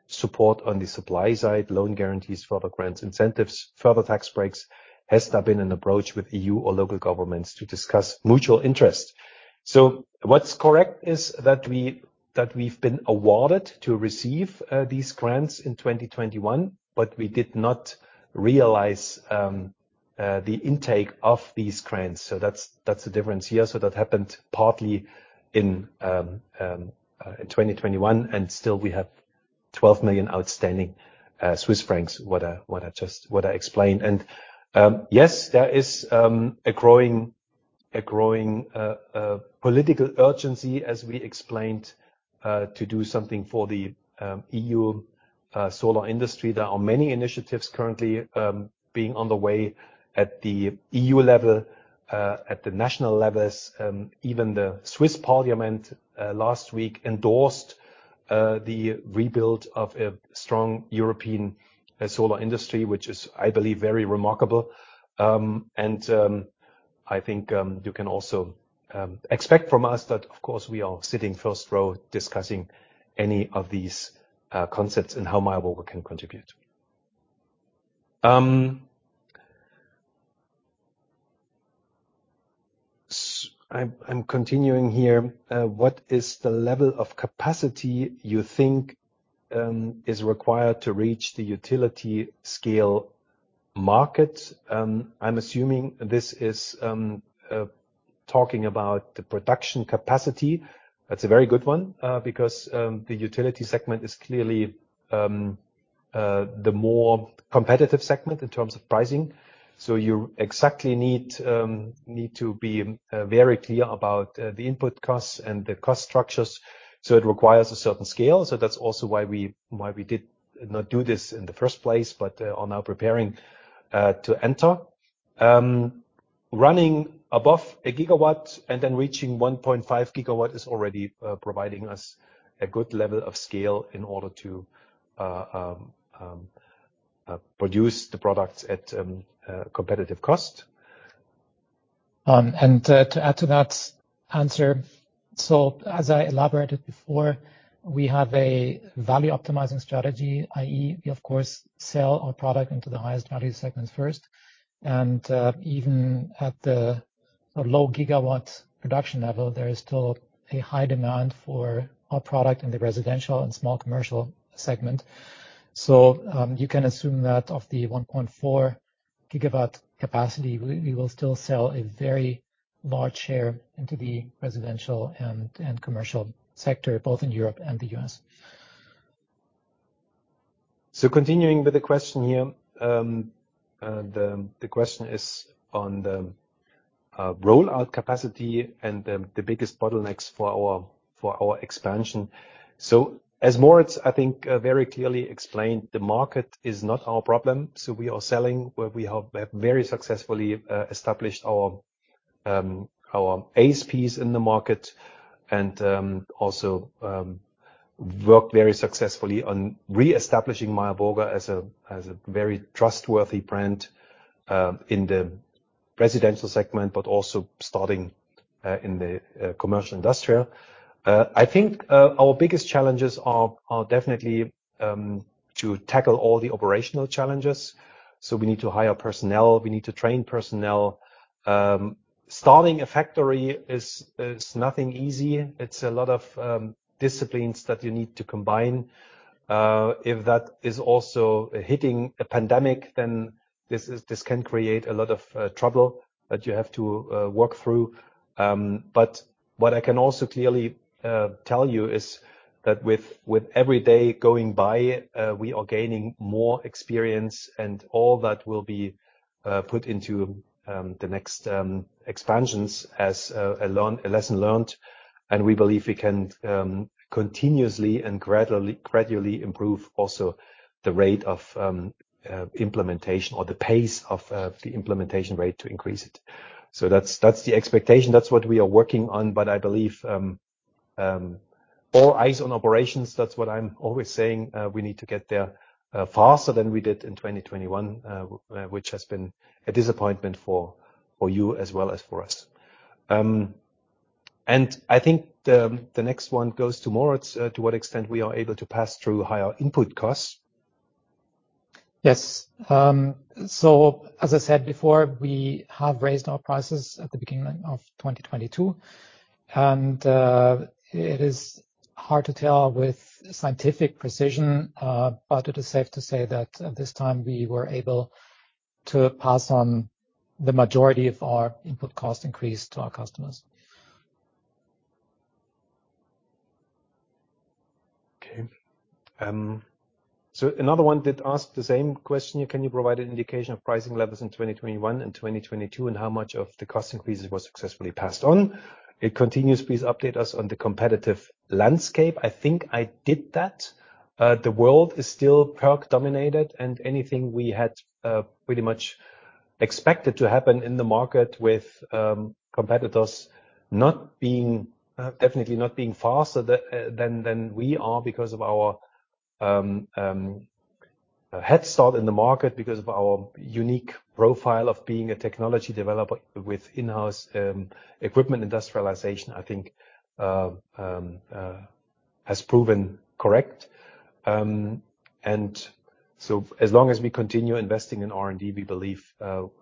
support on the supply side, loan guarantees, further grants, incentives, further tax breaks? Has there been an approach with EU or local governments to discuss mutual interest? What's correct is that we've been awarded to receive these grants in 2021, but we did not realize the intake of these grants. That's the difference here. That happened partly in 2021, and still we have 12 million outstanding, what I explained. Yes, there is a growing political urgency, as we explained, to do something for the EU solar industry. There are many initiatives currently being on the way at the EU level, at the national levels. Even the Swiss parliament last week endorsed the rebuild of a strong European solar industry, which I believe is very remarkable. I think you can also expect from us that, of course, we are sitting front row discussing any of these concepts and how Meyer Burger can contribute. I'm continuing here. What is the level of capacity you think is required to reach the utility scale market? I'm assuming this is talking about the production capacity. That's a very good one, because the utility segment is clearly the more competitive segment in terms of pricing. You exactly need to be very clear about the input costs and the cost structures, so it requires a certain scale. That's also why we did not do this in the first place, but are now preparing to enter. Running above a gigawatt and then reaching 1.5 GW is already providing us a good level of scale in order to produce the products at a competitive cost. To add to that answer, as I elaborated before, we have a value optimizing strategy, i.e., we of course sell our product into the highest value segments first. Even at the low gigawatt production level, there is still a high demand for our product in the residential and small commercial segment. You can assume that of the 1.4 GW capacity, we will still sell a very large share into the residential and commercial sector, both in Europe and the U.S. Continuing with the question here, the question is on the rollout capacity and the biggest bottlenecks for our expansion. As Moritz, I think, very clearly explained, the market is not our problem. We are selling. We have very successfully established our ASPs in the market and also worked very successfully on reestablishing Meyer Burger as a very trustworthy brand in the residential segment, but also starting in the commercial industrial. I think our biggest challenges are definitely to tackle all the operational challenges. We need to hire personnel, we need to train personnel. Starting a factory is nothing easy. It's a lot of disciplines that you need to combine. If that is also hitting a pandemic, then this can create a lot of trouble that you have to work through. But what I can also clearly tell you is that with every day going by, we are gaining more experience and all that will be put into the next expansions as a lesson learned. We believe we can continuously and gradually improve also the rate of implementation or the pace of the implementation rate to increase it. That's the expectation. That's what we are working on. But I believe all eyes on operations, that's what I'm always saying. We need to get there faster than we did in 2021, which has been a disappointment for you as well as for us. I think the next one goes to Moritz. To what extent are we able to pass through higher input costs? Yes. As I said before, we have raised our prices at the beginning of 2022, and it is hard to tell with scientific precision, but it is safe to say that at this time, we were able to pass on the majority of our input cost increase to our customers. Okay. Another one did ask the same question. Can you provide an indication of pricing levels in 2021 and 2022, and how much of the cost increases was successfully passed on? It continues, please update us on the competitive landscape. I think I did that. The world is still PERC dominated, and anything we had pretty much expected to happen in the market with competitors not being definitely not being faster than we are because of our head start in the market, because of our unique profile of being a technology developer with in-house equipment industrialization, I think, has proven correct. As long as we continue investing in R&D, we believe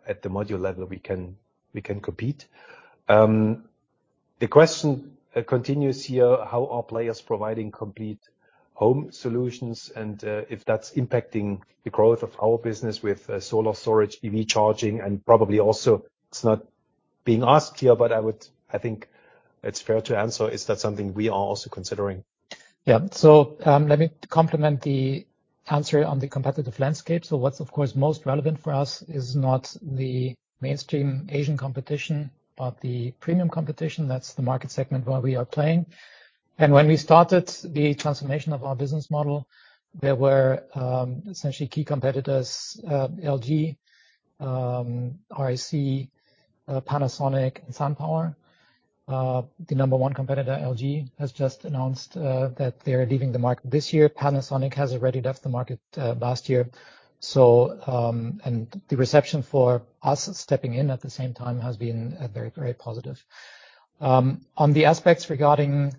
at the module level, we can compete. The question continues here, how are players providing complete home solutions and if that's impacting the growth of our business with solar storage, EV charging, and probably also it's not being asked here, but I think it's fair to answer, is that something we are also considering? Let me complement the answer on the competitive landscape. What's of course most relevant for us is not the mainstream Asian competition, but the premium competition. That's the market segment where we are playing. When we started the transformation of our business model, there were essentially key competitors, LG, REC, Panasonic, and SunPower. The number one competitor, LG, has just announced that they are leaving the market this year. Panasonic has already left the market last year. The reception for us stepping in at the same time has been very, very positive. On the aspects regarding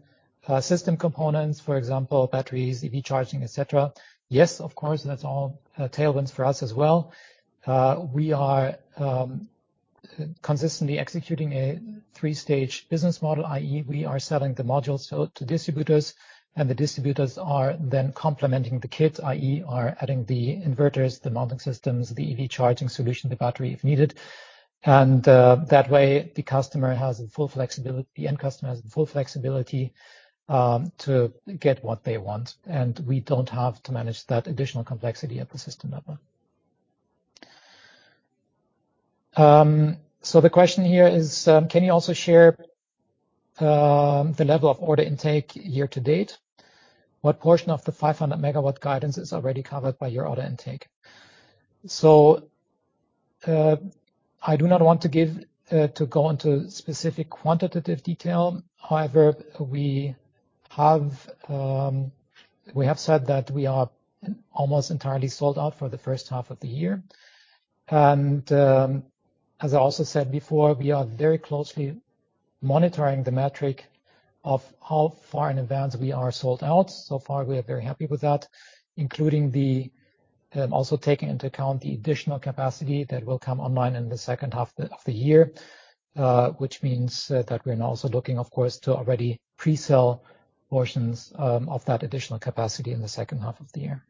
system components, for example, batteries, EV charging, etc. Yes, of course, that's all tailwinds for us as well. We are consistently executing a three-stage business model, i.e., we are selling the modules to distributors, and the distributors are then complementing the kits, i.e., are adding the inverters, the mounting systems, the EV charging solution, the battery if needed. That way the customer has full flexibility, the end customer has full flexibility to get what they want, and we don't have to manage that additional complexity at the system level. The question here is, can you also share the level of order intake year to date? What portion of the 500 MW guidance is already covered by your order intake? I do not want to go into specific quantitative detail. However, we have said that we are almost entirely sold out for the first half of the year. as I also said before, we are very closely monitoring the metric of how far in advance we are sold out. So far, we are very happy with that, including also taking into account the additional capacity that will come online in the second half of the year, which means that we're now also looking, of course, to already pre-sell portions of that additional capacity in the second half of the year.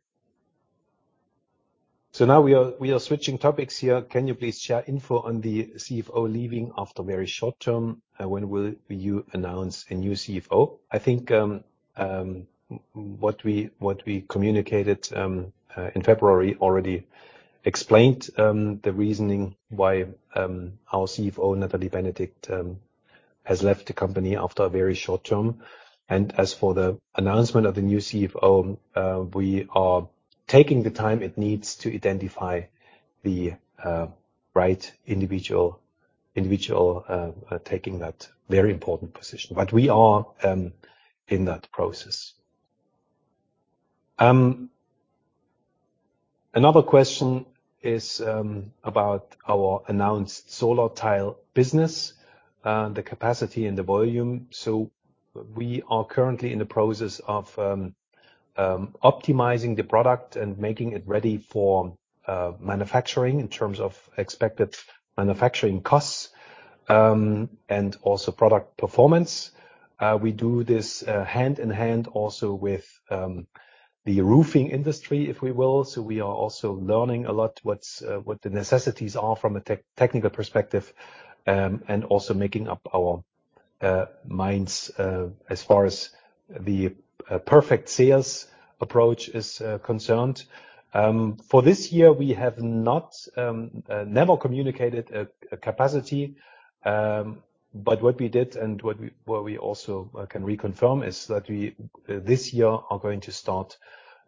We are switching topics here. Can you please share info on the CFO leaving after very short term? When will you announce a new CFO? I think what we communicated in February already explained the reasoning why our CFO, Nathalie Benedikt, has left the company after a very short term. As for the announcement of the new CFO, we are taking the time it needs to identify the right individual taking that very important position. We are in that process. Another question is about our announced solar tile business, the capacity and the volume. We are currently in the process of optimizing the product and making it ready for manufacturing in terms of expected manufacturing costs and also product performance. We do this hand in hand also with the roofing industry, if we will. We are also learning a lot what the necessities are from a technical perspective, and also making up our minds as far as the perfect sales approach is concerned. For this year, we have never communicated a capacity. But what we did and what we also can reconfirm is that we, this year, are going to start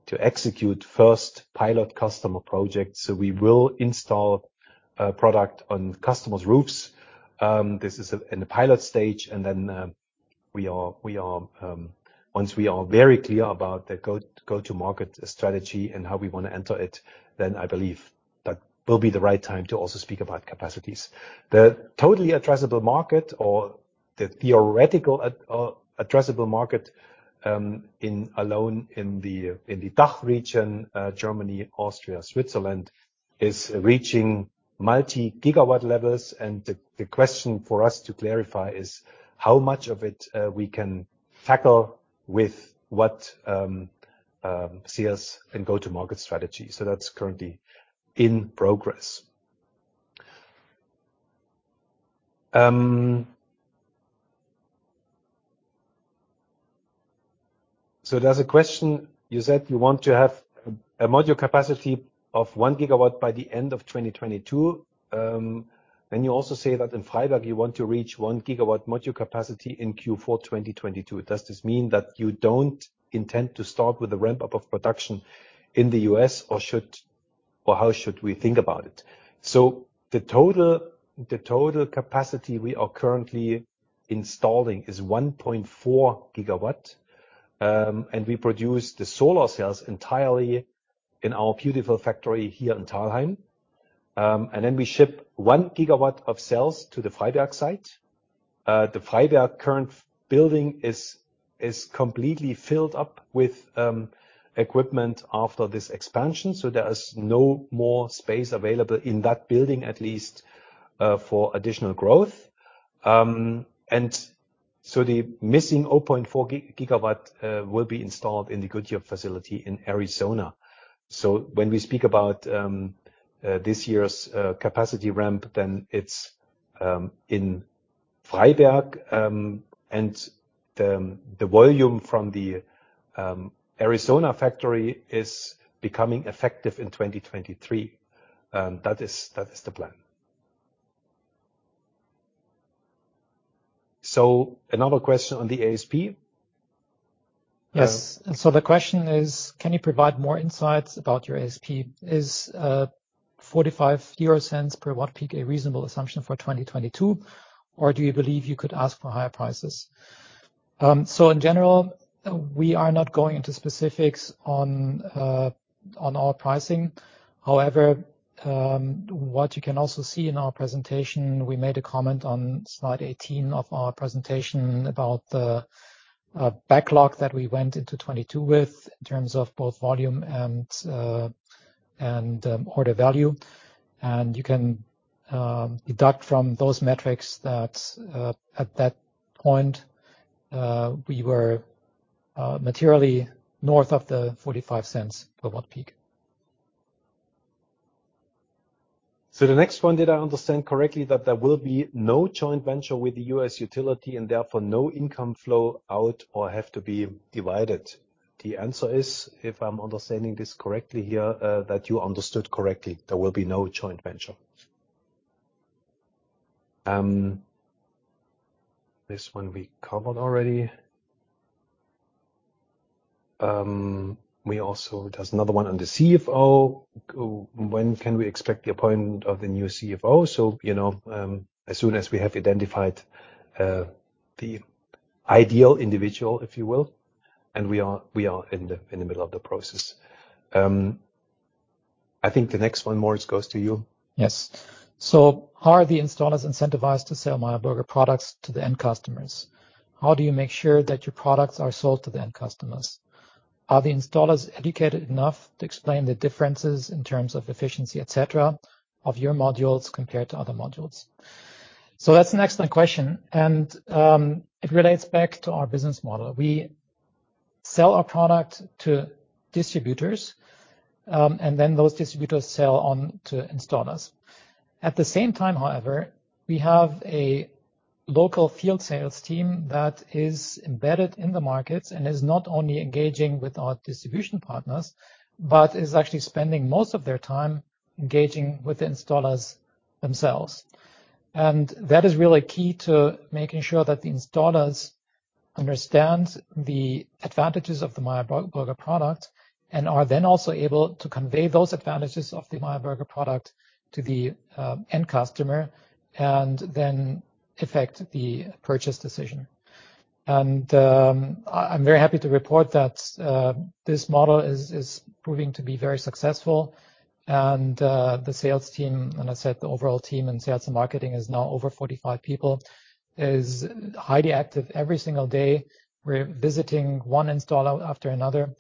to execute first pilot customer projects. We will install product on customers' roofs. This is in the pilot stage, and then once we are very clear about the go-to-market strategy and how we wanna enter it, then I believe that will be the right time to also speak about capacities. The totally addressable market or the theoretical addressable market, alone in the DACH region, Germany, Austria, Switzerland, is reaching multi-gigawatt levels, and the question for us to clarify is how much of it we can tackle with what sales and go-to-market strategy. That's currently in progress. There's a question. You said you want to have a module capacity of 1 GW by the end of 2022. You also say that in Freiberg, you want to reach 1 GW module capacity in Q4 2022. Does this mean that you don't intend to start with the ramp-up of production in the U.S., or how should we think about it? The total capacity we are currently installing is 1.4 GW, and we produce the solar cells entirely in our beautiful factory here in Thalheim. We ship 1 GW of cells to the Freiberg site. The Freiberg current building is completely filled up with equipment after this expansion, so there is no more space available in that building, at least for additional growth. The missing 0.4 GW will be installed in the Goodyear facility in Arizona. When we speak about this year's capacity ramp, then it's in Freiberg, and the volume from the Arizona factory is becoming effective in 2023. That is the plan. Another question on the ASP. Yes. The question is, can you provide more insights about your ASP? Is 0.45 per watt peak a reasonable assumption for 2022, or do you believe you could ask for higher prices? In general, we are not going into specifics on our pricing. However, what you can also see in our presentation, we made a comment on slide 18 of our presentation about the backlog that we went into 2022 with in terms of both volume and order value. You can deduct from those metrics that at that point we were materially north of the 0.45 per watt peak. The next one, did I understand correctly that there will be no joint venture with the U.S. utility and therefore no income flow out or have to be divided? The answer is, if I'm understanding this correctly here, that you understood correctly. There will be no joint venture. This one we covered already. There's another one on the CFO. When can we expect the appointment of the new CFO? You know, as soon as we have identified the ideal individual, if you will, and we are in the middle of the process. I think the next one, Moritz, goes to you. Yes. How are the installers incentivized to sell Meyer Burger products to the end customers? How do you make sure that your products are sold to the end customers? Are the installers educated enough to explain the differences in terms of efficiency, et cetera, of your modules compared to other modules? That's an excellent question, and it relates back to our business model. We sell our product to distributors, and then those distributors sell on to installers. At the same time, however, we have a local field sales team that is embedded in the markets and is not only engaging with our distribution partners, but is actually spending most of their time engaging with the installers themselves. That is really key to making sure that the installers understand the advantages of the Meyer Burger product and are then also able to convey those advantages of the Meyer Burger product to the end customer and then affect the purchase decision. I'm very happy to report that this model is proving to be very successful and the sales team, as I said, the overall team in sales and marketing is now over 45 people, is highly active every single day. We're visiting one installer after another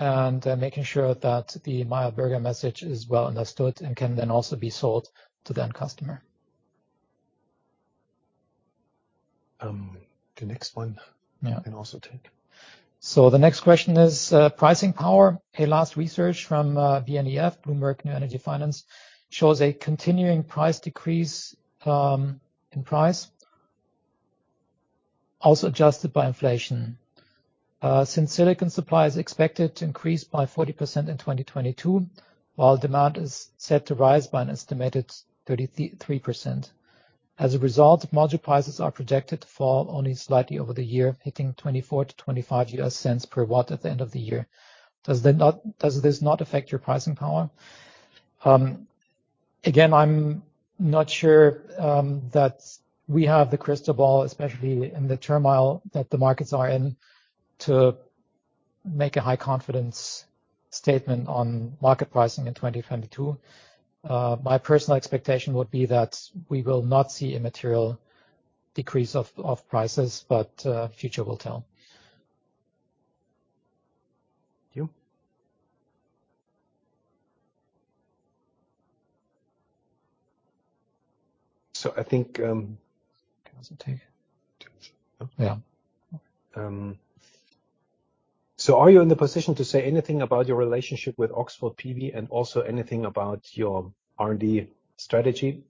and making sure that the Meyer Burger message is well understood and can then also be sold to the end customer. The next one. Yeah. You can also take. The next question is pricing power. The latest research from BNEF, Bloomberg New Energy Finance, shows a continuing price decrease in price, also adjusted by inflation. Since silicon supply is expected to increase by 40% in 2022, while demand is set to rise by an estimated 33%. As a result, module prices are projected to fall only slightly over the year, hitting $0.24-$0.25 per watt at the end of the year. Does this not affect your pricing power? Again, I'm not sure that we have the crystal ball, especially in the turmoil that the markets are in, to make a high confidence statement on market pricing in 2022. My personal expectation would be that we will not see a material decrease of prices, but future will tell. Thank you. I think. Concentrate. Yeah. Are you in the position to say anything about your relationship with Oxford PV and also anything about your R&D strategy?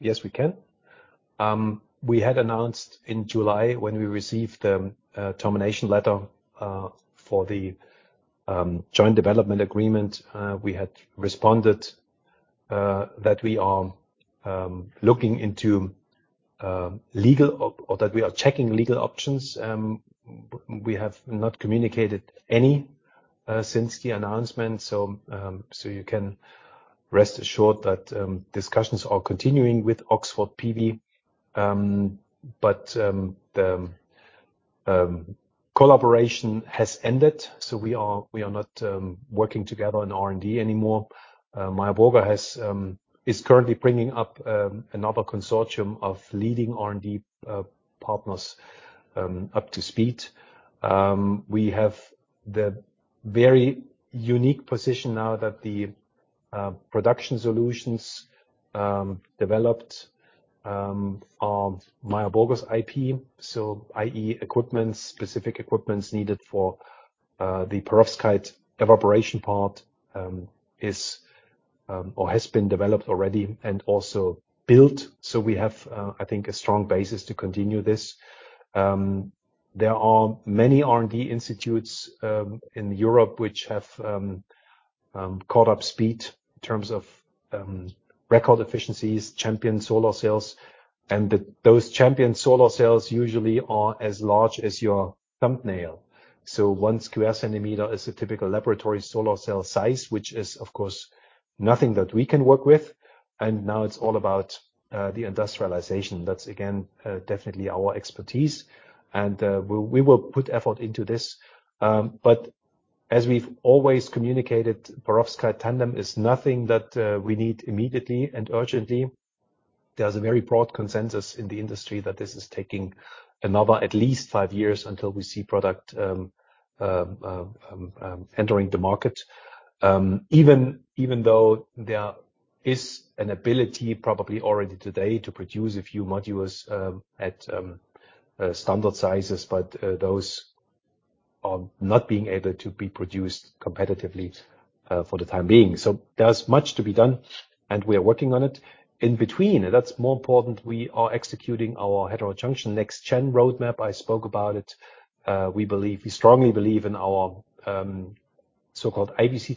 Yes, we can. We had announced in July when we received the termination letter for the joint development agreement. We had responded that we are looking into legal or that we are checking legal options. We have not communicated any since the announcement, so you can rest assured that discussions are continuing with Oxford PV. The collaboration has ended, so we are not working together on R&D anymore. Meyer Burger is currently bringing up another consortium of leading R&D partners up to speed. We have the very unique position now that the production solutions developed are Meyer Burger's IP, so i.e. equipment, specific equipment needed for the perovskite evaporation part is or has been developed already and also built. We have, I think a strong basis to continue this. There are many R&D institutes in Europe which have picked up speed in terms of record efficiencies, champion solar cells, and those champion solar cells usually are as large as your thumbnail. One square centimeter is a typical laboratory solar cell size, which is of course nothing that we can work with. Now it's all about the industrialization. That's again definitely our expertise. We will put effort into this. As we've always communicated, perovskite tandem is nothing that we need immediately and urgently. There's a very broad consensus in the industry that this is taking another at least five years until we see product entering the market. Even though there is an ability probably already today to produce a few modules at standard sizes, those are not being able to be produced competitively for the time being. There's much to be done, and we are working on it. In between, that's more important, we are executing our heterojunction next gen roadmap. I spoke about it. We believe, we strongly believe in our so-called IBC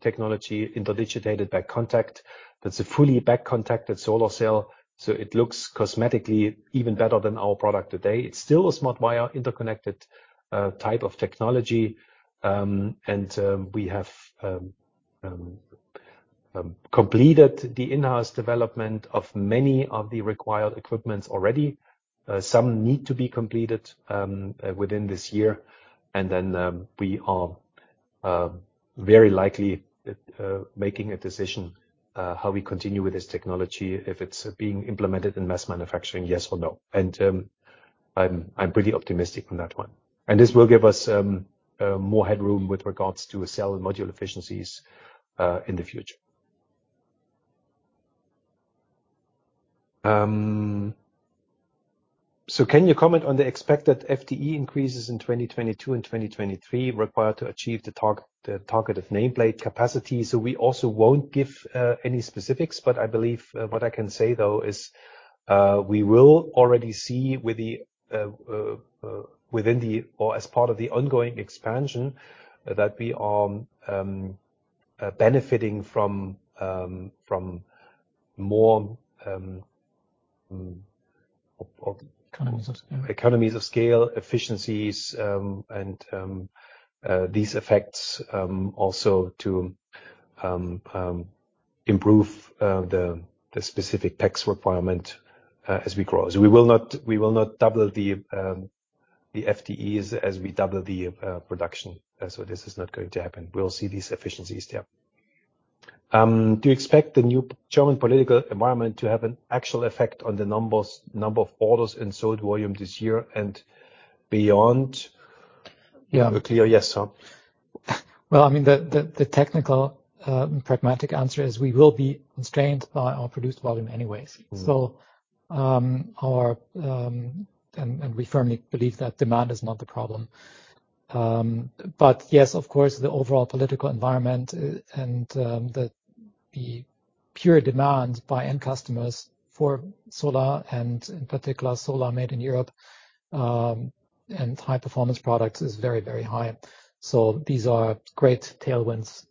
technology, interdigitated back contact. That's a fully back contacted solar cell, so it looks cosmetically even better than our product today. It's still a SmartWire interconnected type of technology. We have completed the in-house development of many of the required equipment already. Some need to be completed within this year. Then we are very likely making a decision how we continue with this technology, if it's being implemented in mass manufacturing, yes or no. I'm pretty optimistic on that one. This will give us more headroom with regards to cell and module efficiencies in the future. So can you comment on the expected FTE increases in 2022 and 2023 required to achieve the targeted nameplate capacity? We also won't give any specifics, but I believe what I can say though is we will already see as part of the ongoing expansion that we are benefiting from more or Economies of scale. Economies of scale, efficiencies, and these effects also to improve the specific CapEx requirement as we grow. We will not double the FTEs as we double the production. This is not going to happen. We'll see these efficiencies, yeah. Do you expect the new German political environment to have an actual effect on the number of orders and sold volume this year and beyond? Yeah. A clear yes, so. Well, I mean, the technical, pragmatic answer is we will be constrained by our produced volume anyways. We firmly believe that demand is not the problem. Yes, of course, the overall political environment and the pure demand by end customers for solar and in particular solar made in Europe, and high performance products is very, very high. These are great tailwinds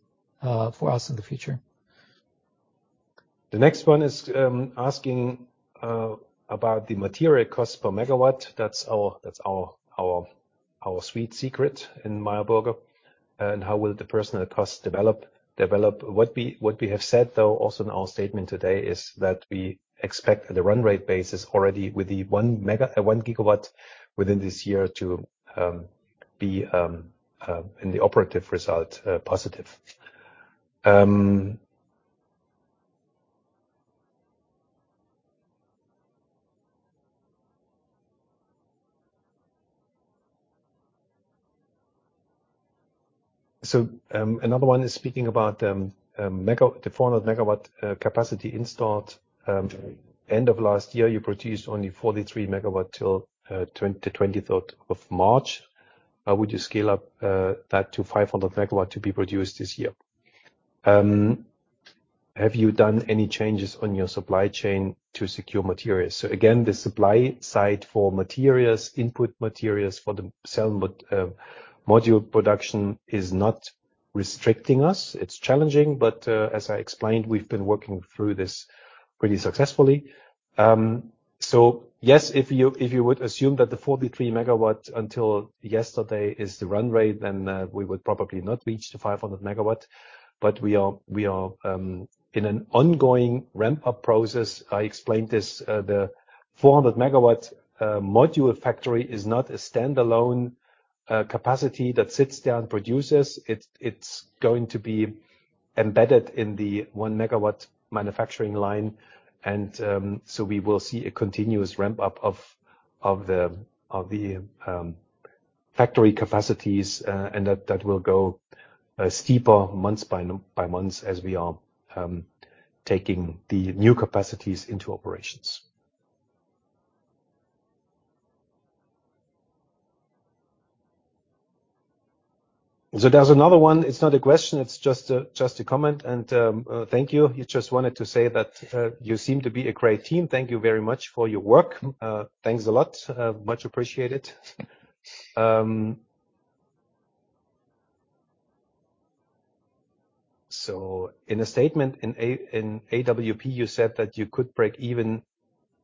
for us in the future. The next one is asking about the material cost per megawatt. That's our sweet secret in Meyer Burger. How will the personnel costs develop? What we have said, though, also in our statement today, is that we expect the run rate basis already with the 1 GW within this year to be in the operating result positive. Another one is speaking about the 400 MW capacity installed end of last year. You produced only 43 MW till the 23rd of March. Would you scale up that to 500 MW to be produced this year? Have you done any changes on your supply chain to secure materials? Again, the supply side for materials, input materials for the cell module production is not restricting us. It's challenging, but as I explained, we've been working through this pretty successfully. Yes, if you would assume that the 43 MW until yesterday is the run rate, then we would probably not reach the 500 MW. But we are in an ongoing ramp-up process. I explained this, the 400 MW module factory is not a stand-alone capacity that sits there and produces. It's going to be embedded in the 1 GW manufacturing line and we will see a continuous ramp-up of the factory capacities, and that will go steeper month by month as we are taking the new capacities into operations. There's another one. It's not a question, it's just a comment. Thank you. He just wanted to say that you seem to be a great team. Thank you very much for your work. Thanks a lot. Much appreciated. In a statement in AWP, you said that you could break even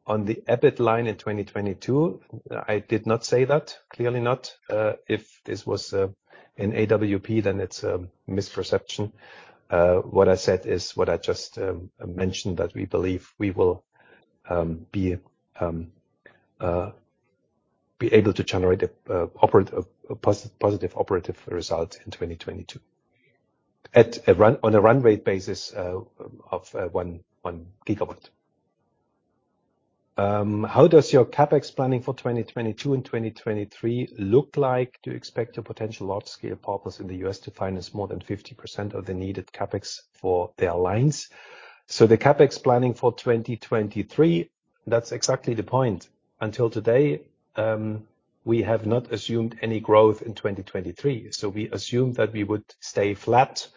on the EBIT line in 2022. I did not say that. Clearly not. If this was in AWP, then it's a misperception. What I said is what I just mentioned, that we believe we will be able to generate a positive operative result in 2022 on a run rate basis of 1 GW. How does your CapEx planning for 2022 and 2023 look like? Do you expect your potential large-scale partners in the U.S. to finance more than 50% of the needed CapEx for their lines? The CapEx planning for 2023, that's exactly the point. Until today, we have not assumed any growth in 2023. We assumed that we would stay flat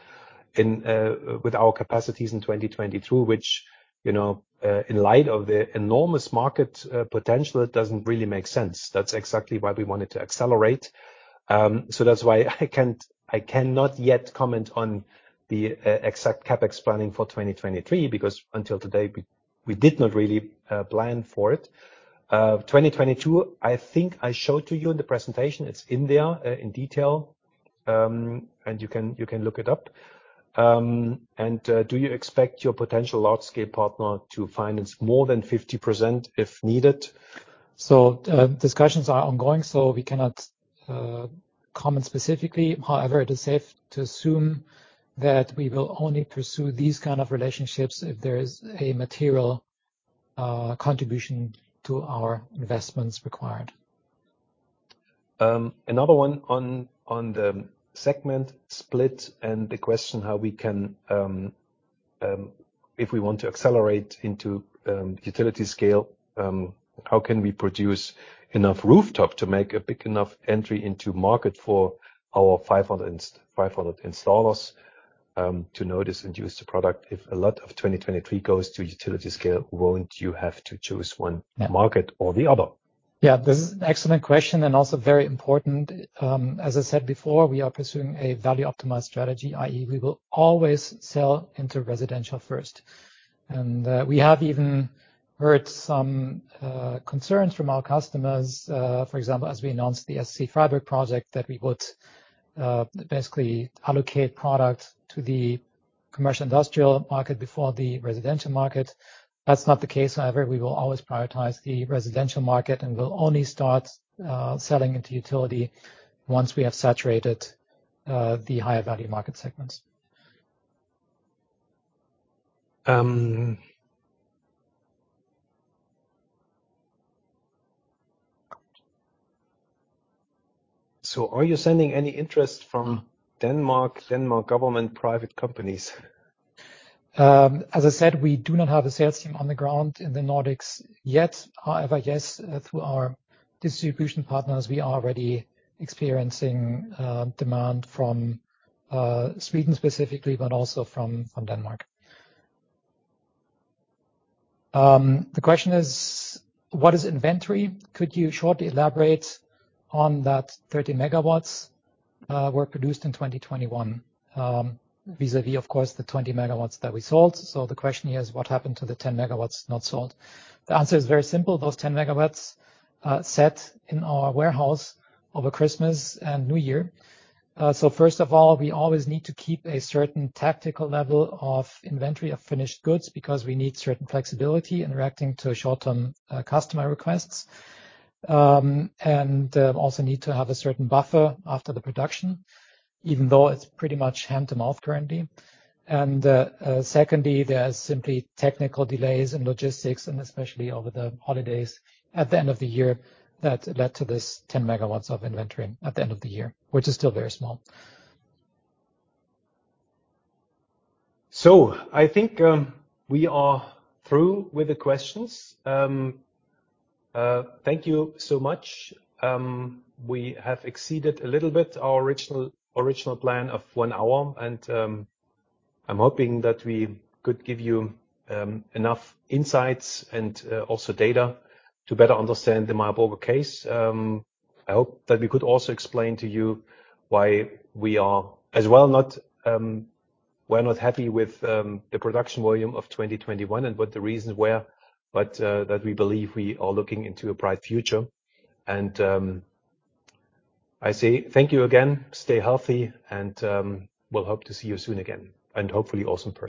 in 2022 with our capacities in 2022, which, you know, in light of the enormous market potential, it doesn't really make sense. That's exactly why we wanted to accelerate. That's why I cannot yet comment on the exact CapEx planning for 2023, because until today we did not really plan for it. 2022, I think I showed to you in the presentation. It's in there in detail, and you can look it up. Do you expect your potential large-scale partner to finance more than 50% if needed? Discussions are ongoing, so we cannot comment specifically. However, it is safe to assume that we will only pursue these kind of relationships if there is a material contribution to our investments required. Another one on the segment split and the question how we can, if we want to accelerate into utility scale, how can we produce enough rooftop to make a big enough entry into market for our 500 installers to notice and use the product? If a lot of 2023 goes to utility scale, won't you have to choose one market or the other? Yeah, this is an excellent question and also very important. As I said before, we are pursuing a value optimized strategy, i.e., we will always sell into residential first. We have even heard some concerns from our customers, for example, as we announced the SC Freiburg project, that we would basically allocate product to the commercial industrial market before the residential market. That's not the case. However, we will always prioritize the residential market and will only start selling into utility once we have saturated the higher value market segments. Are you sending any interest from Denmark government, private companies? As I said, we do not have a sales team on the ground in the Nordics yet. However, yes, through our distribution partners, we are already experiencing demand from Sweden specifically, but also from Denmark. The question is, what is inventory? Could you shortly elaborate on that 30 MW were produced in 2021 vis-à-vis of course, the 20 MW that we sold. The question here is what happened to the 10 MW not sold? The answer is very simple. Those 10 MW are set in our warehouse over Christmas and New Year. First of all, we always need to keep a certain tactical level of inventory of finished goods because we need certain flexibility in reacting to short-term customer requests. Also need to have a certain buffer after the production, even though it's pretty much hand-to-mouth currently. Secondly, there are simply technical delays in logistics, and especially over the holidays at the end of the year, that led to this 10 MW of inventory at the end of the year, which is still very small. I think we are through with the questions. Thank you so much. We have exceeded a little bit our original plan of one hour, and I'm hoping that we could give you enough insights and also data to better understand the Meyer Burger case. I hope that we could also explain to you why we are as well not happy with the production volume of 2021 and what the reasons were. That we believe we are looking into a bright future. I say thank you again. Stay healthy, and we'll hope to see you soon again, and hopefully also personally.